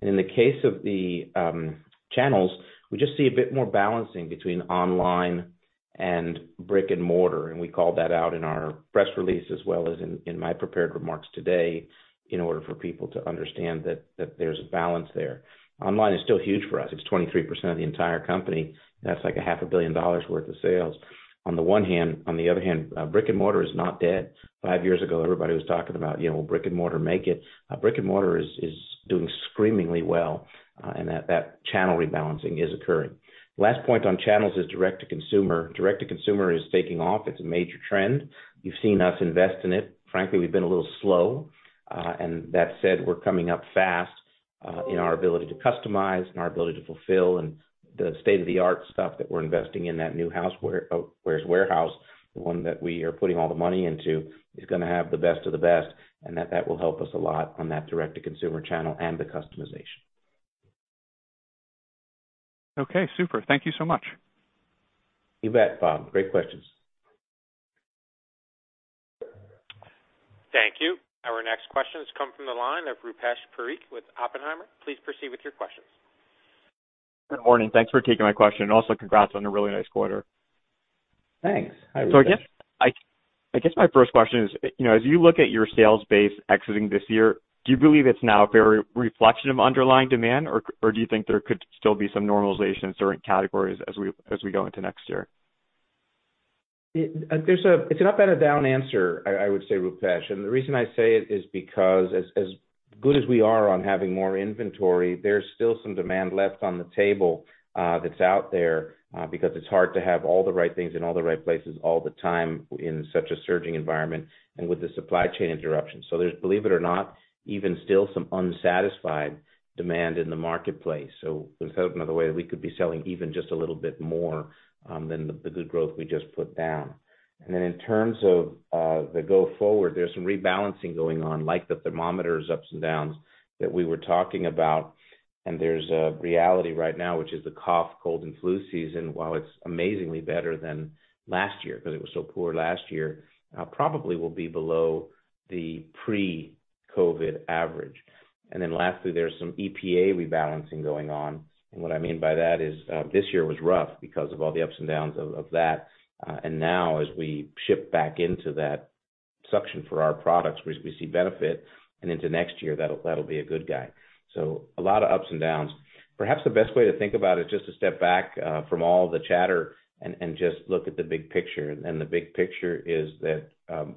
In the case of the channels, we just see a bit more balancing between online and brick-and-mortar, and we called that out in our press release as well as in my prepared remarks today, in order for people to understand that there's a balance there. Online is still huge for us. It's 23% of the entire company. That's like half a billion dollars worth of sales on the one hand. On the other hand, brick-and-mortar is not dead. Five years ago, everybody was talking about, you know, will brick-and-mortar make it? Brick-and-mortar is doing screamingly well, and that channel rebalancing is occurring. Last point on channels is direct-to-consumer. Direct-to-consumer is taking off. It's a major trend. You've seen us invest in it. Frankly, we've been a little slow. That said, we're coming up fast in our ability to customize and our ability to fulfill. The state-of-the-art stuff that we're investing in that new warehouse, the one that we are putting all the money into, is gonna have the best of the best, and that will help us a lot on that direct-to-consumer channel and the customization. Okay, super. Thank you so much. You bet, Bob. Great questions. Thank you. Our next question has come from the line of Rupesh Parikh with Oppenheimer. Please proceed with your questions. Good morning. Thanks for taking my question. Also congrats on a really nice quarter. Thanks. Hi, Rupesh. I guess my first question is, you know, as you look at your sales base exiting this year, do you believe it's now a fair reflection of underlying demand or do you think there could still be some normalization in certain categories as we go into next year? It's an up and a down answer, I would say, Rupesh. The reason I say it is because as good as we are on having more inventory, there's still some demand left on the table that's out there because it's hard to have all the right things in all the right places all the time in such a surging environment and with the supply chain interruptions. There's, believe it or not, even still some unsatisfied demand in the marketplace. There's hope in the way that we could be selling even just a little bit more than the good growth we just put down. Then in terms of the go forward, there's some rebalancing going on, like the thermometers ups and downs that we were talking about. There's a reality right now, which is the cough, cold, and flu season, while it's amazingly better than last year 'cause it was so poor last year, probably will be below the pre-COVID average. Then lastly, there's some EPA rebalancing going on. What I mean by that is, this year was rough because of all the ups and downs of that. Now as we ship back into that suction for our products, we see benefit. Into next year, that'll be a tailwind. So a lot of ups and downs. Perhaps the best way to think about it, just to step back from all the chatter and just look at the big picture. The big picture is that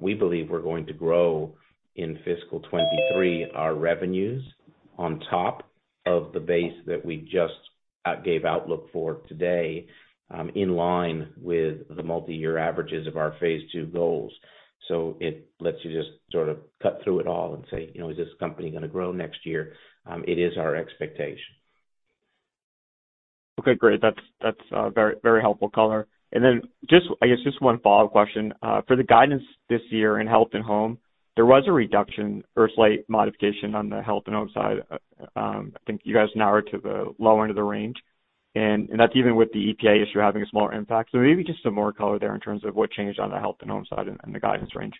we believe we're going to grow in fiscal 2023 our revenues on top of the base that we just gave outlook for today, in line with the multi-year averages of our phase ll goals. It lets you just sort of cut through it all and say, you know, "Is this company gonna grow next year?" It is our expectation. Okay, great. That's very helpful color. Then just, I guess, just one follow-up question. For the guidance this year in Health and Home, there was a reduction or slight modification on the Health and Home side. I think you guys narrowed to the lower end of the range, and that's even with the EPA issue having a smaller impact. Maybe just some more color there in terms of what changed on the Health and Home side and the guidance range.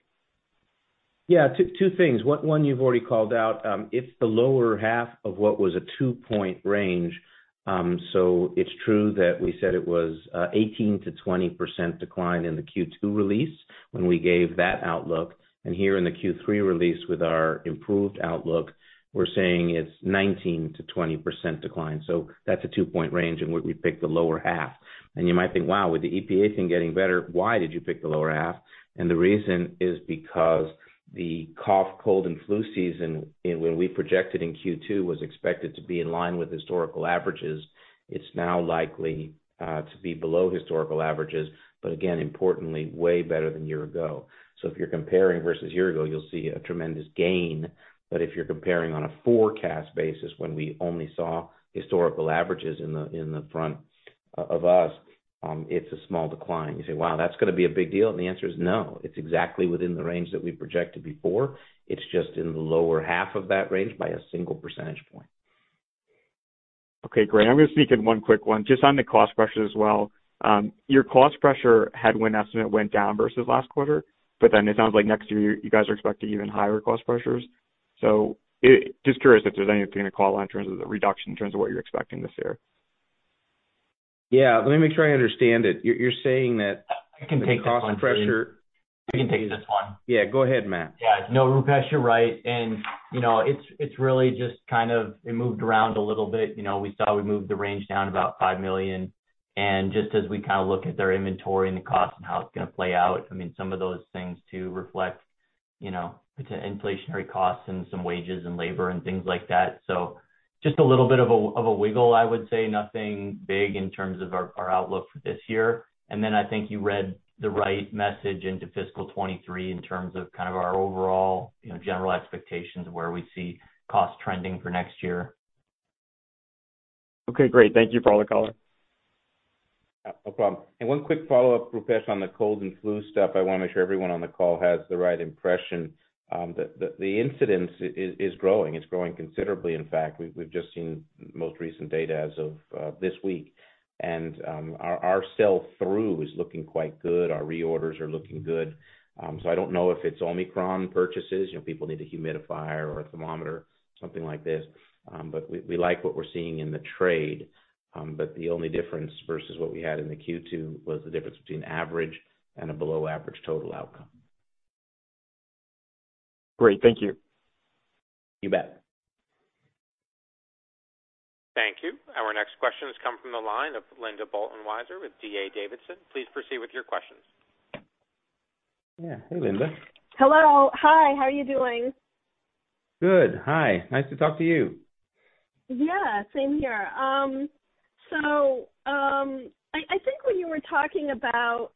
Yeah, two things. One, you've already called out. It's the lower half of what was a two-point range. So it's true that we said it was 18%-20% decline in the Q2 release when we gave that outlook. Here in the Q3 release with our improved outlook, we're saying it's 19%-20% decline. That's a two-point range, and we picked the lower half. You might think, wow, with the EPA thing getting better, why did you pick the lower half? The reason is because the cough, cold and flu season, and when we projected in Q2, was expected to be in line with historical averages. It's now likely to be below historical averages, but again, importantly, way better than year ago. If you're comparing versus year ago, you'll see a tremendous gain. If you're comparing on a forecast basis, when we only saw historical averages in the front of us, it's a small decline. You say, wow, that's gonna be a big deal. The answer is no. It's exactly within the range that we projected before. It's just in the lower half of that range by 1 percentage point. Okay, great. I'm gonna sneak in one quick one just on the cost pressure as well. Your cost pressure headwind estimate went down versus last quarter, but then it sounds like next year you guys are expecting even higher cost pressures. Just curious if there's anything to call on in terms of the reduction in terms of what you're expecting this year. Yeah. Let me make sure I understand it. You're saying that- I can take this one, Steve. The cost of pressure I can take this one. Yeah, go ahead, Matt. Yeah. No, Rupesh, you're right. You know, it's really just kind of it moved around a little bit. You know, we saw we moved the range down about $5 million. Just as we kind of look at their inventory and the cost and how it's gonna play out, I mean, some of those things too reflect, you know, inflationary costs and some wages and labor and things like that. Just a little bit of a wiggle, I would say. Nothing big in terms of our outlook for this year. Then I think you read the right message into fiscal 2023 in terms of kind of our overall, you know, general expectations of where we see costs trending for next year. Okay, great. Thank you for all the color. Yeah, no problem. One quick follow-up, Rupesh, on the cold and flu stuff. I wanna make sure everyone on the call has the right impression that the incidence is growing. It's growing considerably, in fact. We've just seen most recent data as of this week. Our sell through is looking quite good. Our reorders are looking good. I don't know if it's Omicron purchases, you know, people need a humidifier or a thermometer, something like this. We like what we're seeing in the trade. The only difference versus what we had in the Q2 was the difference between average and a below average total outcome. Great. Thank you. You bet. Thank you. Our next question has come from the line of Linda Bolton Weiser with D.A. Davidson. Please proceed with your questions. Yeah. Hey, Linda. Hello. Hi. How are you doing? Good. Hi. Nice to talk to you. Yeah, same here. I think when you were talking about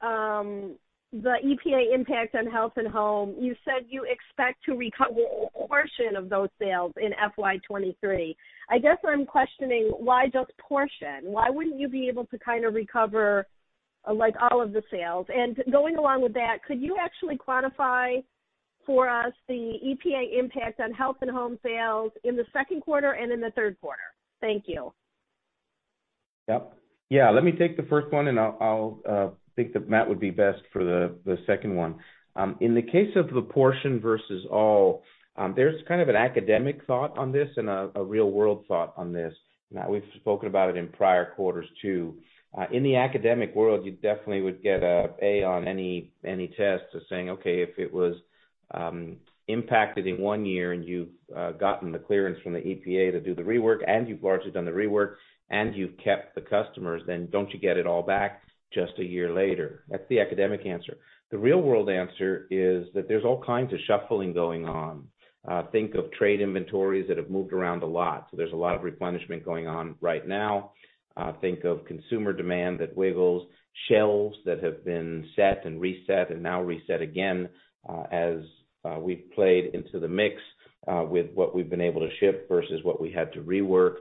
the EPA impact on health and home, you said you expect to recover a portion of those sales in FY 2023. I guess I'm questioning why just portion? Why wouldn't you be able to kind of recover, like, all of the sales? Going along with that, could you actually quantify for us the EPA impact on health and home sales in the second quarter and in the third quarter? Thank you. Yeah, let me take the first one, and I'll think that Matt would be best for the second one. In the case of the portion versus all, there's kind of an academic thought on this and a real world thought on this. Matt, we've spoken about it in prior quarters too. In the academic world, you definitely would get an A on any test. So saying, okay, if it was impacted in one year and you've gotten the clearance from the EPA to do the rework, and you've largely done the rework and you've kept the customers, then don't you get it all back just a year later? That's the academic answer. The real world answer is that there's all kinds of shuffling going on. Think of trade inventories that have moved around a lot, so there's a lot of replenishment going on right now. Think of consumer demand that wiggles shelves that have been set and reset and now reset again, as we've played into the mix, with what we've been able to ship versus what we had to rework.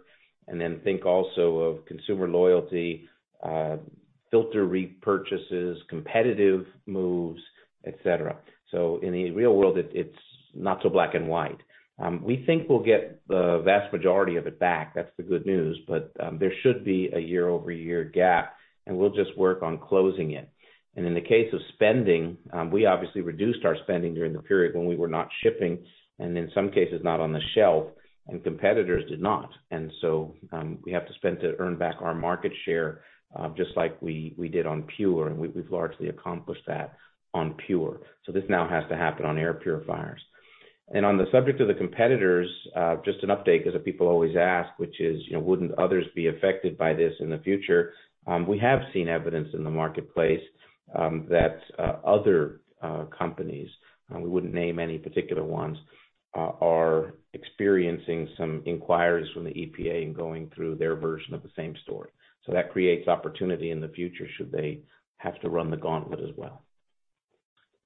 Think also of consumer loyalty, filter repurchases, competitive moves, et cetera. In the real world, it's not so black and white. We think we'll get the vast majority of it back. That's the good news. There should be a year-over-year gap, and we'll just work on closing it. In the case of spending, we obviously reduced our spending during the period when we were not shipping, and in some cases, not on the shelf, and competitors did not. We have to spend to earn back our market share, just like we did on PUR, and we've largely accomplished that on PUR. This now has to happen on air purifiers. On the subject of the competitors, just an update, 'cause people always ask, which is, you know, wouldn't others be affected by this in the future? We have seen evidence in the marketplace, that other companies, we wouldn't name any particular ones, are experiencing some inquiries from the EPA and going through their version of the same story. That creates opportunity in the future should they have to run the gauntlet as well.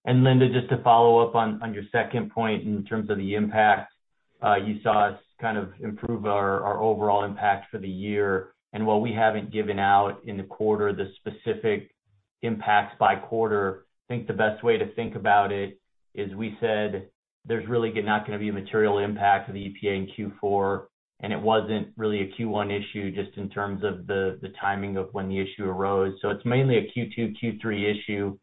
Linda, just to follow up on your second point in terms of the impact. You saw us kind of improve our overall impact for the year. While we haven't given out in the quarter the specific impacts by quarter, I think the best way to think about it is we said there's really not gonna be a material impact to the EPA in Q4, and it wasn't really a Q1 issue just in terms of the timing of when the issue arose. It's mainly a Q2, Q3 issue.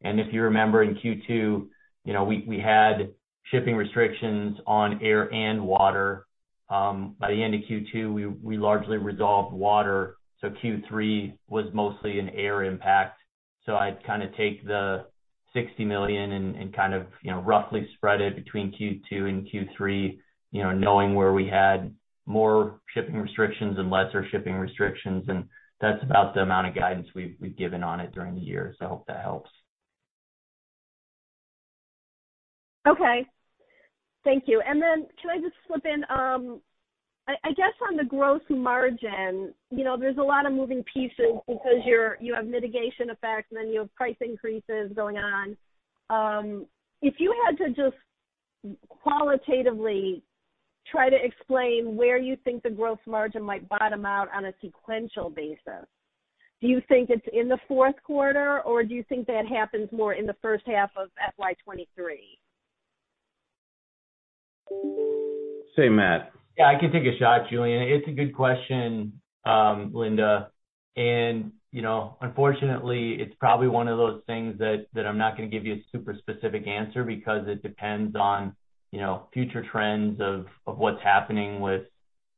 If you remember in Q2, you know, we had shipping restrictions on air and water. By the end of Q2, we largely resolved water, so Q3 was mostly an air impact. I'd kinda take the $60 million and kind of, you know, roughly spread it between Q2 and Q3, you know, knowing where we had more shipping restrictions and lesser shipping restrictions, and that's about the amount of guidance we've given on it during the year. I hope that helps. Okay. Thank you. Then can I just slip in, I guess on the gross margin, you know, there's a lot of moving pieces because you have mitigation effects, and then you have price increases going on. If you had to just qualitatively try to explain where you think the gross margin might bottom out on a sequential basis, do you think it's in the fourth quarter, or do you think that happens more in the first half of FY 2023? Say, Matt. Yeah, I can take a shot, Julien. It's a good question, Linda. You know, unfortunately, it's probably one of those things that I'm not gonna give you a super specific answer because it depends on, you know, future trends of what's happening with,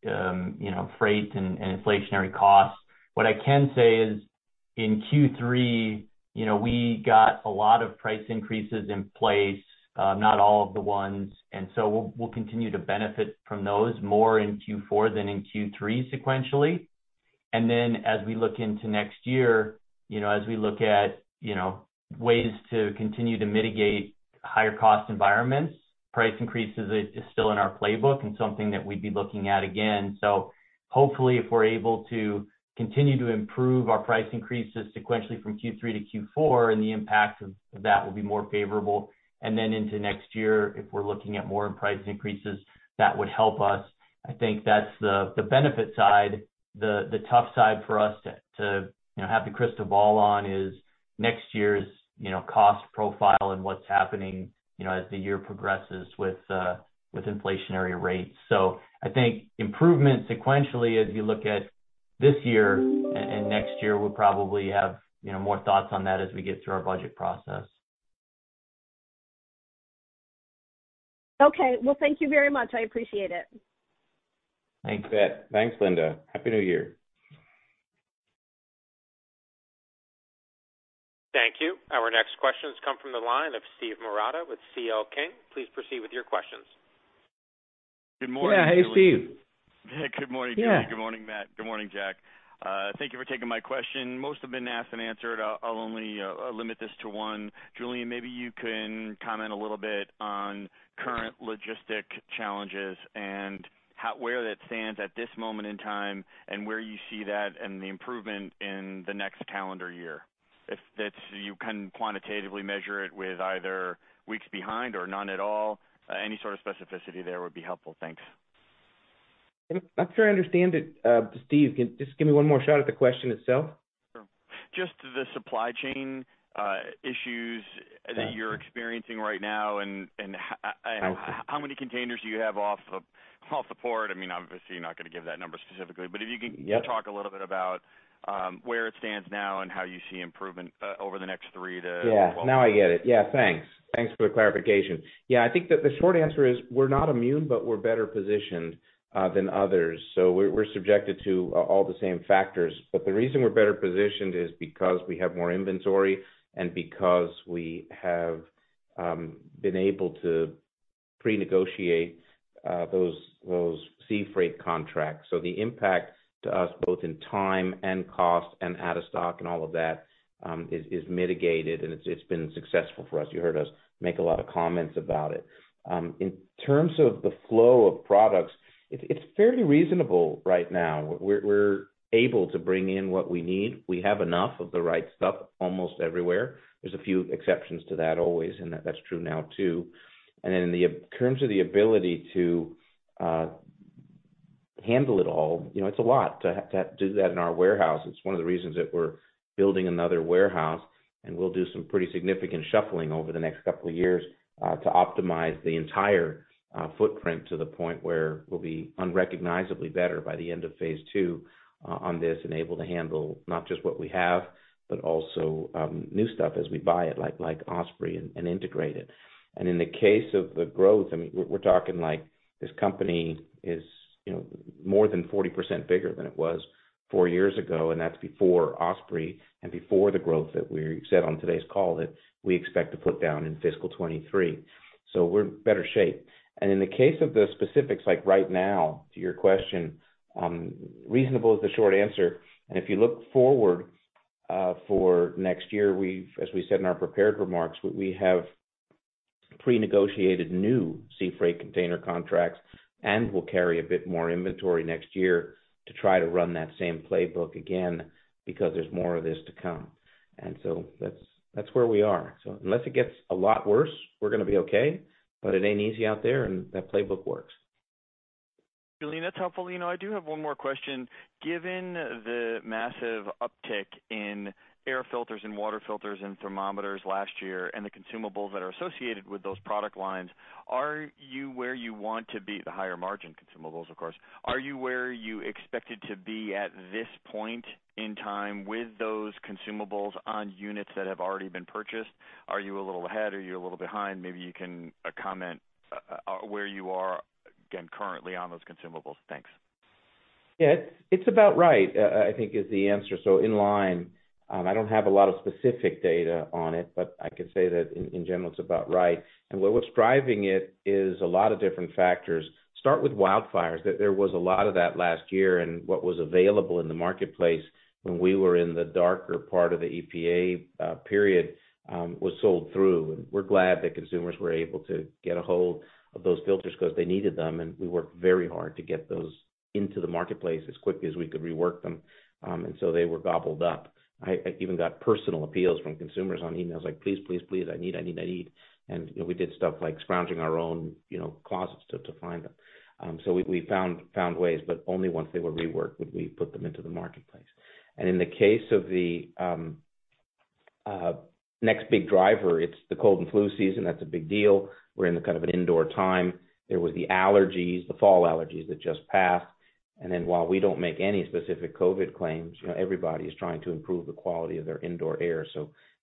you know, freight and inflationary costs. What I can say is, in Q3, you know, we got a lot of price increases in place, not all of the ones, and so we'll continue to benefit from those more in Q4 than in Q3 sequentially. Then as we look into next year, you know, as we look at, you know, ways to continue to mitigate higher cost environments, price increases is still in our playbook and something that we'd be looking at again. Hopefully, if we're able to continue to improve our price increases sequentially from Q3 to Q4, and the impact of that will be more favorable. Into next year, if we're looking at more in price increases, that would help us. I think that's the benefit side. The tough side for us to you know, have the crystal ball on is next year's you know, cost profile and what's happening you know, as the year progresses with inflationary rates. I think improvement sequentially as you look at this year and next year, we'll probably have you know, more thoughts on that as we get through our budget process. Okay. Well, thank you very much. I appreciate it. Thanks. You bet. Thanks, Linda. Happy New Year. Thank you. Our next questions come from the line of Steve Marotta with C.L. King. Please proceed with your questions. Good morning, Julien. Yeah. Hey, Steve. Good morning, Julien. Yeah. Good morning, Matt. Good morning, Jack. Thank you for taking my question. Most have been asked and answered. I'll only limit this to one. Julien, maybe you can comment a little bit on current logistics challenges and where that stands at this moment in time and where you see that and the improvement in the next calendar year. If you can quantitatively measure it with either weeks behind or none at all, any sort of specificity there would be helpful. Thanks. I'm not sure I understand it, Steve. Can you just give me one more shot at the question itself? Sure. Just the supply chain issues that you're experiencing right now and how many containers do you have off the port? I mean, obviously, you're not gonna give that number specifically. If you can- Yeah. Talk a little bit about where it stands now and how you see improvement over the next 3-12 months. Yeah. Now I get it. Yeah. Thanks. Thanks for the clarification. Yeah. I think that the short answer is we're not immune, but we're better positioned than others. We're subjected to all the same factors. The reason we're better positioned is because we have more inventory and because we have been able to pre-negotiate those sea freight contracts. The impact to us, both in time and cost and out of stock and all of that, is mitigated, and it's been successful for us. You heard us make a lot of comments about it. In terms of the flow of products, it's fairly reasonable right now. We're able to bring in what we need. We have enough of the right stuff almost everywhere. There's a few exceptions to that always, and that's true now, too. In terms of the ability to handle it all, you know, it's a lot to do that in our warehouse. It's one of the reasons that we're building another warehouse, and we'll do some pretty significant shuffling over the next couple of years to optimize the entire footprint to the point where we'll be unrecognizably better by the end of phase ll on this, and able to handle not just what we have, but also new stuff as we buy it, like Osprey, and integrate it. In the case of the growth, I mean, we're talking like this company is, you know, more than 40% bigger than it was 4 years ago, and that's before Osprey and before the growth that we said on today's call that we expect to put down in fiscal 2023. We're in better shape. In the case of the specifics, like right now, to your question, reasonable is the short answer. If you look forward, for next year, as we said in our prepared remarks, we have pre-negotiated new sea freight container contracts and will carry a bit more inventory next year to try to run that same playbook again because there's more of this to come. That's where we are. Unless it gets a lot worse, we're gonna be okay, but it ain't easy out there, and that playbook works. Julien, that's helpful. You know, I do have one more question. Given the massive uptick in air filters and water filters and thermometers last year and the consumables that are associated with those product lines, are you where you want to be, the higher margin consumables, of course. Are you where you expected to be at this point in time with those consumables on units that have already been purchased? Are you a little ahead? Are you a little behind? Maybe you can comment where you are again currently on those consumables. Thanks. Yeah. It's about right, I think that's the answer, so in line. I don't have a lot of specific data on it, but I can say that in general it's about right. What was driving it is a lot of different factors. Start with wildfires. That there was a lot of that last year and what was available in the marketplace when we were in the darker part of the pandemic period was sold through. We're glad that consumers were able to get a hold of those filters 'cause they needed them, and we worked very hard to get those into the marketplace as quickly as we could rework them. They were gobbled up. I even got personal appeals from consumers on emails like, "Please, please, I need, I need, I need." You know, we did stuff like scrounging our own, you know, closets to find them. We found ways, but only once they were reworked would we put them into the marketplace. In the case of the next big driver, it's the cold and flu season. That's a big deal. We're in a kind of an indoor time. There was the allergies, the fall allergies that just passed. While we don't make any specific COVID claims, you know, everybody is trying to improve the quality of their indoor air.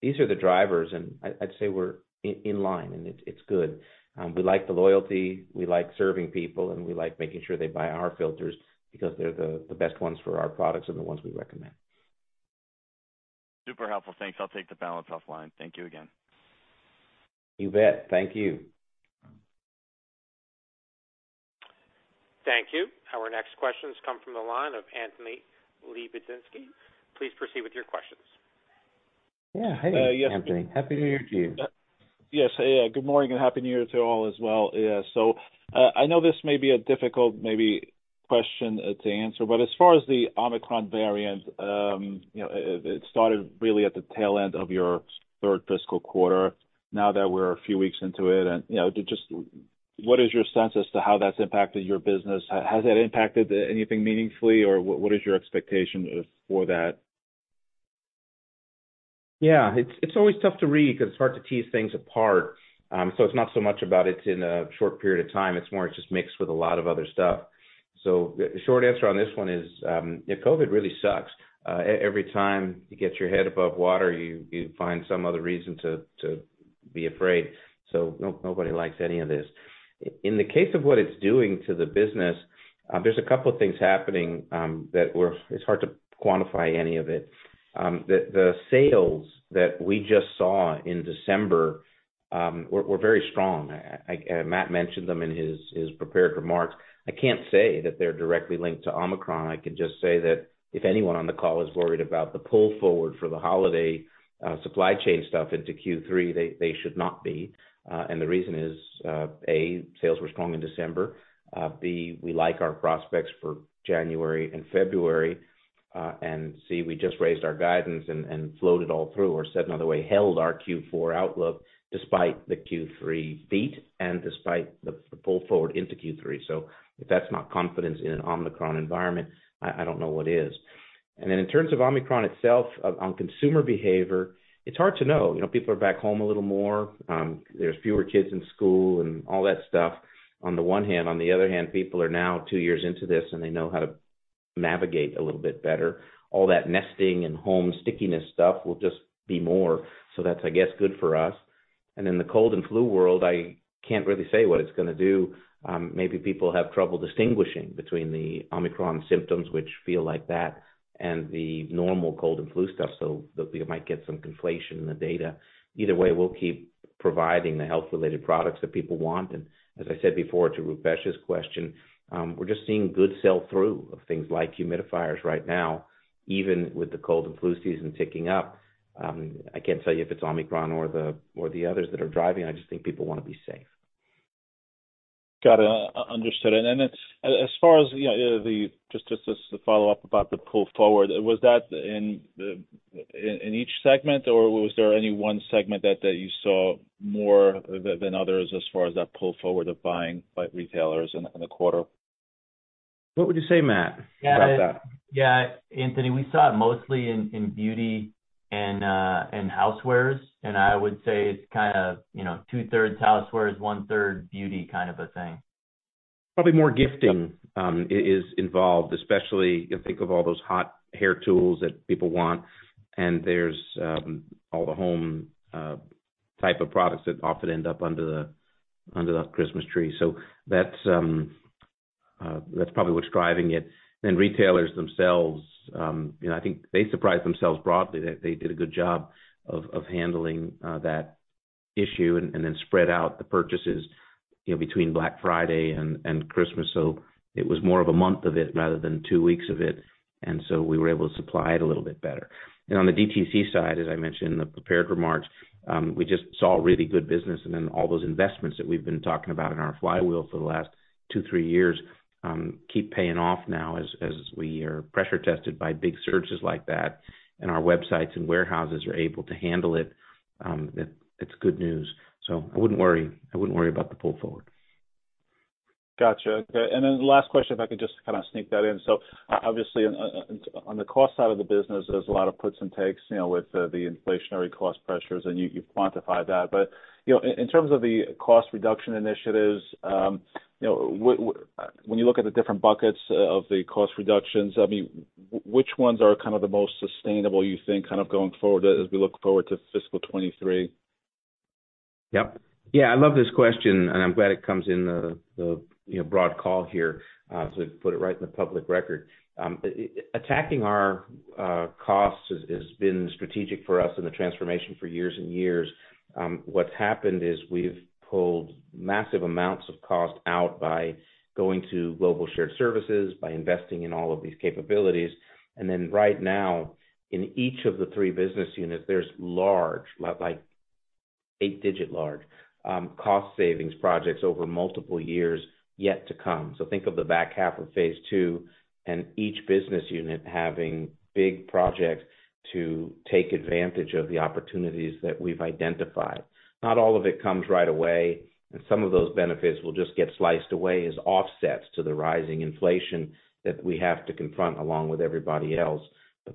These are the drivers, and I'd say we're in line, and it's good. We like the loyalty, we like serving people, and we like making sure they buy our filters because they're the best ones for our products and the ones we recommend. Super helpful. Thanks. I'll take the balance offline. Thank you again. You bet. Thank you. Thank you. Our next questions come from the line of Anthony Lebiedzinski. Please proceed with your questions. Yeah. Hey, Anthony. Happy New Year to you. Yes. Hey. Good morning and Happy New Year to all as well. Yeah. I know this may be a difficult maybe question to answer, but as far as the Omicron variant, you know, it started really at the tail end of your third fiscal quarter. Now that we're a few weeks into it and, you know, just what is your sense as to how that's impacted your business? Has that impacted anything meaningfully, or what is your expectation for that? Yeah. It's always tough to read 'cause it's hard to tease things apart. It's not so much about it being in a short period of time, it's more, it's just mixed with a lot of other stuff. The short answer on this one is, you know, COVID really sucks. Every time you get your head above water, you find some other reason to be afraid. Nobody likes any of this. In the case of what it's doing to the business, there's a couple of things happening that it's hard to quantify any of it. The sales that we just saw in December were very strong. Matt mentioned them in his prepared remarks. I can't say that they're directly linked to Omicron. I can just say that if anyone on the call is worried about the pull forward for the holiday supply chain stuff into Q3, they should not be. The reason is, A, sales were strong in December, B, we like our prospects for January and February, and C, we just raised our guidance and flowed it all through, or said another way, held our Q4 outlook despite the Q3 beat and despite the pull forward into Q3. If that's not confidence in an Omicron environment, I don't know what is. In terms of Omicron itself on consumer behavior, it's hard to know. You know, people are back home a little more, there's fewer kids in school and all that stuff on the one hand. On the other hand, people are now 2 years into this, and they know how to navigate a little bit better. All that nesting and home stickiness stuff will just be more. So that's, I guess, good for us. And in the cold and flu world, I can't really say what it's gonna do. Maybe people have trouble distinguishing between the Omicron symptoms, which feel like that, and the normal cold and flu stuff, so we might get some conflation in the data. Either way, we'll keep providing the health-related products that people want. And as I said before to Rupesh's question, we're just seeing good sell-through of things like humidifiers right now, even with the cold and flu season ticking up. I can't tell you if it's Omicron or the others that are driving. I just think people wanna be safe. Got it. Understood. Then as far as, you know, just to follow up about the pull forward, was that in each segment, or was there any one segment that you saw more than others as far as that pull forward of buying by retailers in the quarter? What would you say, Matt, about that? Yeah. Anthony, we saw it mostly in Beauty and Housewares, and I would say it's kind of, you know, 2/3 Housewares, one-third Beauty kind of a thing. Probably more gifting is involved, especially you think of all those hot hair tools that people want and there's all the home type of products that often end up under the Christmas tree. That's probably what's driving it. Retailers themselves, you know, I think they surprised themselves broadly that they did a good job of handling that issue and then spread out the purchases. You know, between Black Friday and Christmas, it was more of a month of it rather than two weeks of it. We were able to supply it a little bit better. On the DTC side, as I mentioned in the prepared remarks, we just saw really good business. all those investments that we've been talking about in our flywheel for the last 2, 3 years keep paying off now as we are pressure tested by big surges like that, and our websites and warehouses are able to handle it. It's good news. I wouldn't worry about the pull forward. Gotcha. Okay. Last question, if I could just kind of sneak that in. So obviously on the cost side of the business, there's a lot of puts and takes, you know, with the inflationary cost pressures, and you've quantified that. You know, in terms of the cost reduction initiatives, you know, when you look at the different buckets of the cost reductions, I mean, which ones are kind of the most sustainable you think kind of going forward as we look forward to fiscal 2023? Yep. Yeah, I love this question, and I'm glad it comes in the you know broad call here, so to put it right in the public record. Attacking our costs has been strategic for us in the transformation for years and years. What's happened is we've pulled massive amounts of cost out by going to global shared services, by investing in all of these capabilities. Then right now, in each of the three business units, there's large, like eight-digit large, cost savings projects over multiple years yet to come. Think of the back half of phase ll and each business unit having big projects to take advantage of the opportunities that we've identified. Not all of it comes right away, and some of those benefits will just get sliced away as offsets to the rising inflation that we have to confront along with everybody else.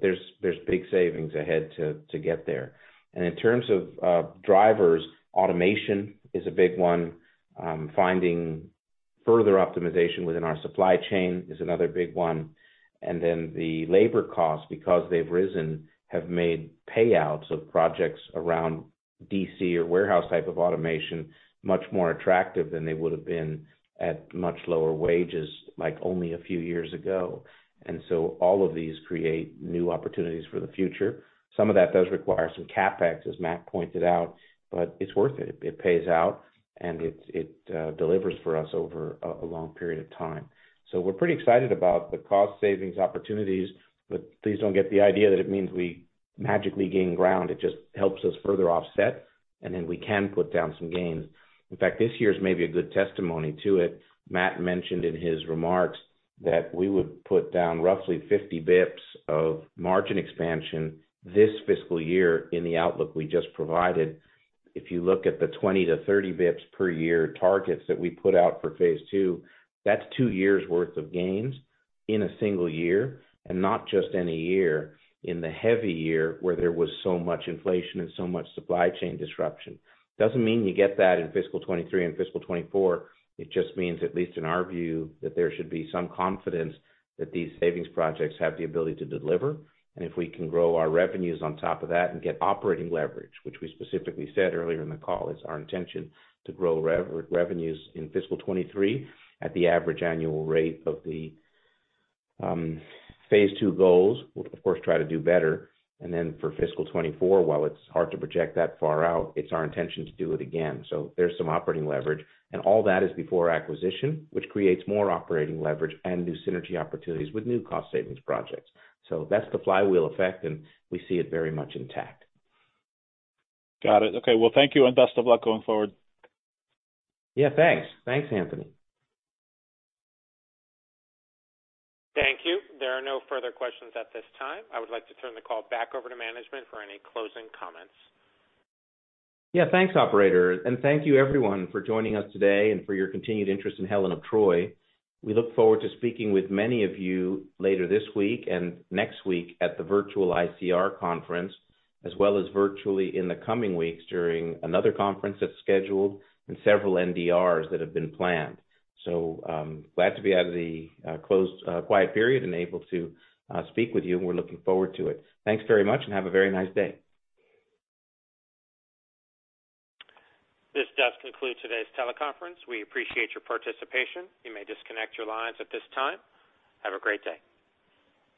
There's big savings ahead to get there. In terms of drivers, automation is a big one. Finding further optimization within our supply chain is another big one. The labor costs, because they've risen, have made payouts of projects around DC or warehouse type of automation much more attractive than they would have been at much lower wages, like only a few years ago. All of these create new opportunities for the future. Some of that does require some CapEx, as Matt pointed out, but it's worth it. It pays out, and it delivers for us over a long period of time. We're pretty excited about the cost savings opportunities, but please don't get the idea that it means we magically gain ground. It just helps us further offset, and then we can put down some gains. In fact, this year's maybe a good testimony to it. Matt mentioned in his remarks that we would put down roughly 50 basis points of margin expansion this fiscal year in the outlook we just provided. If you look at the 20-30 basis points per year targets that we put out for phase ll, that's two years worth of gains in a single year, and not just any year, in the heavy year where there was so much inflation and so much supply chain disruption. Doesn't mean you get that in fiscal 2023 and fiscal 2024. It just means, at least in our view, that there should be some confidence that these savings projects have the ability to deliver. If we can grow our revenues on top of that and get operating leverage, which we specifically said earlier in the call, it's our intention to grow revenues in fiscal 2023 at the average annual rate of the phase ll goals. We'll of course, try to do better. For fiscal 2024, while it's hard to project that far out, it's our intention to do it again. There's some operating leverage and all that is before acquisition, which creates more operating leverage and new synergy opportunities with new cost savings projects. That's the flywheel effect, and we see it very much intact. Got it. Okay. Well, thank you and best of luck going forward. Yeah, thanks. Thanks, Anthony. Thank you. There are no further questions at this time. I would like to turn the call back over to management for any closing comments. Yeah, thanks, operator. Thank you everyone for joining us today and for your continued interest in Helen of Troy. We look forward to speaking with many of you later this week and next week at the virtual ICR conference, as well as virtually in the coming weeks during another conference that's scheduled and several NDRs that have been planned. Glad to be out of the quiet period and able to speak with you, and we're looking forward to it. Thanks very much and have a very nice day. This does conclude today's teleconference. We appreciate your participation. You may disconnect your lines at this time. Have a great day.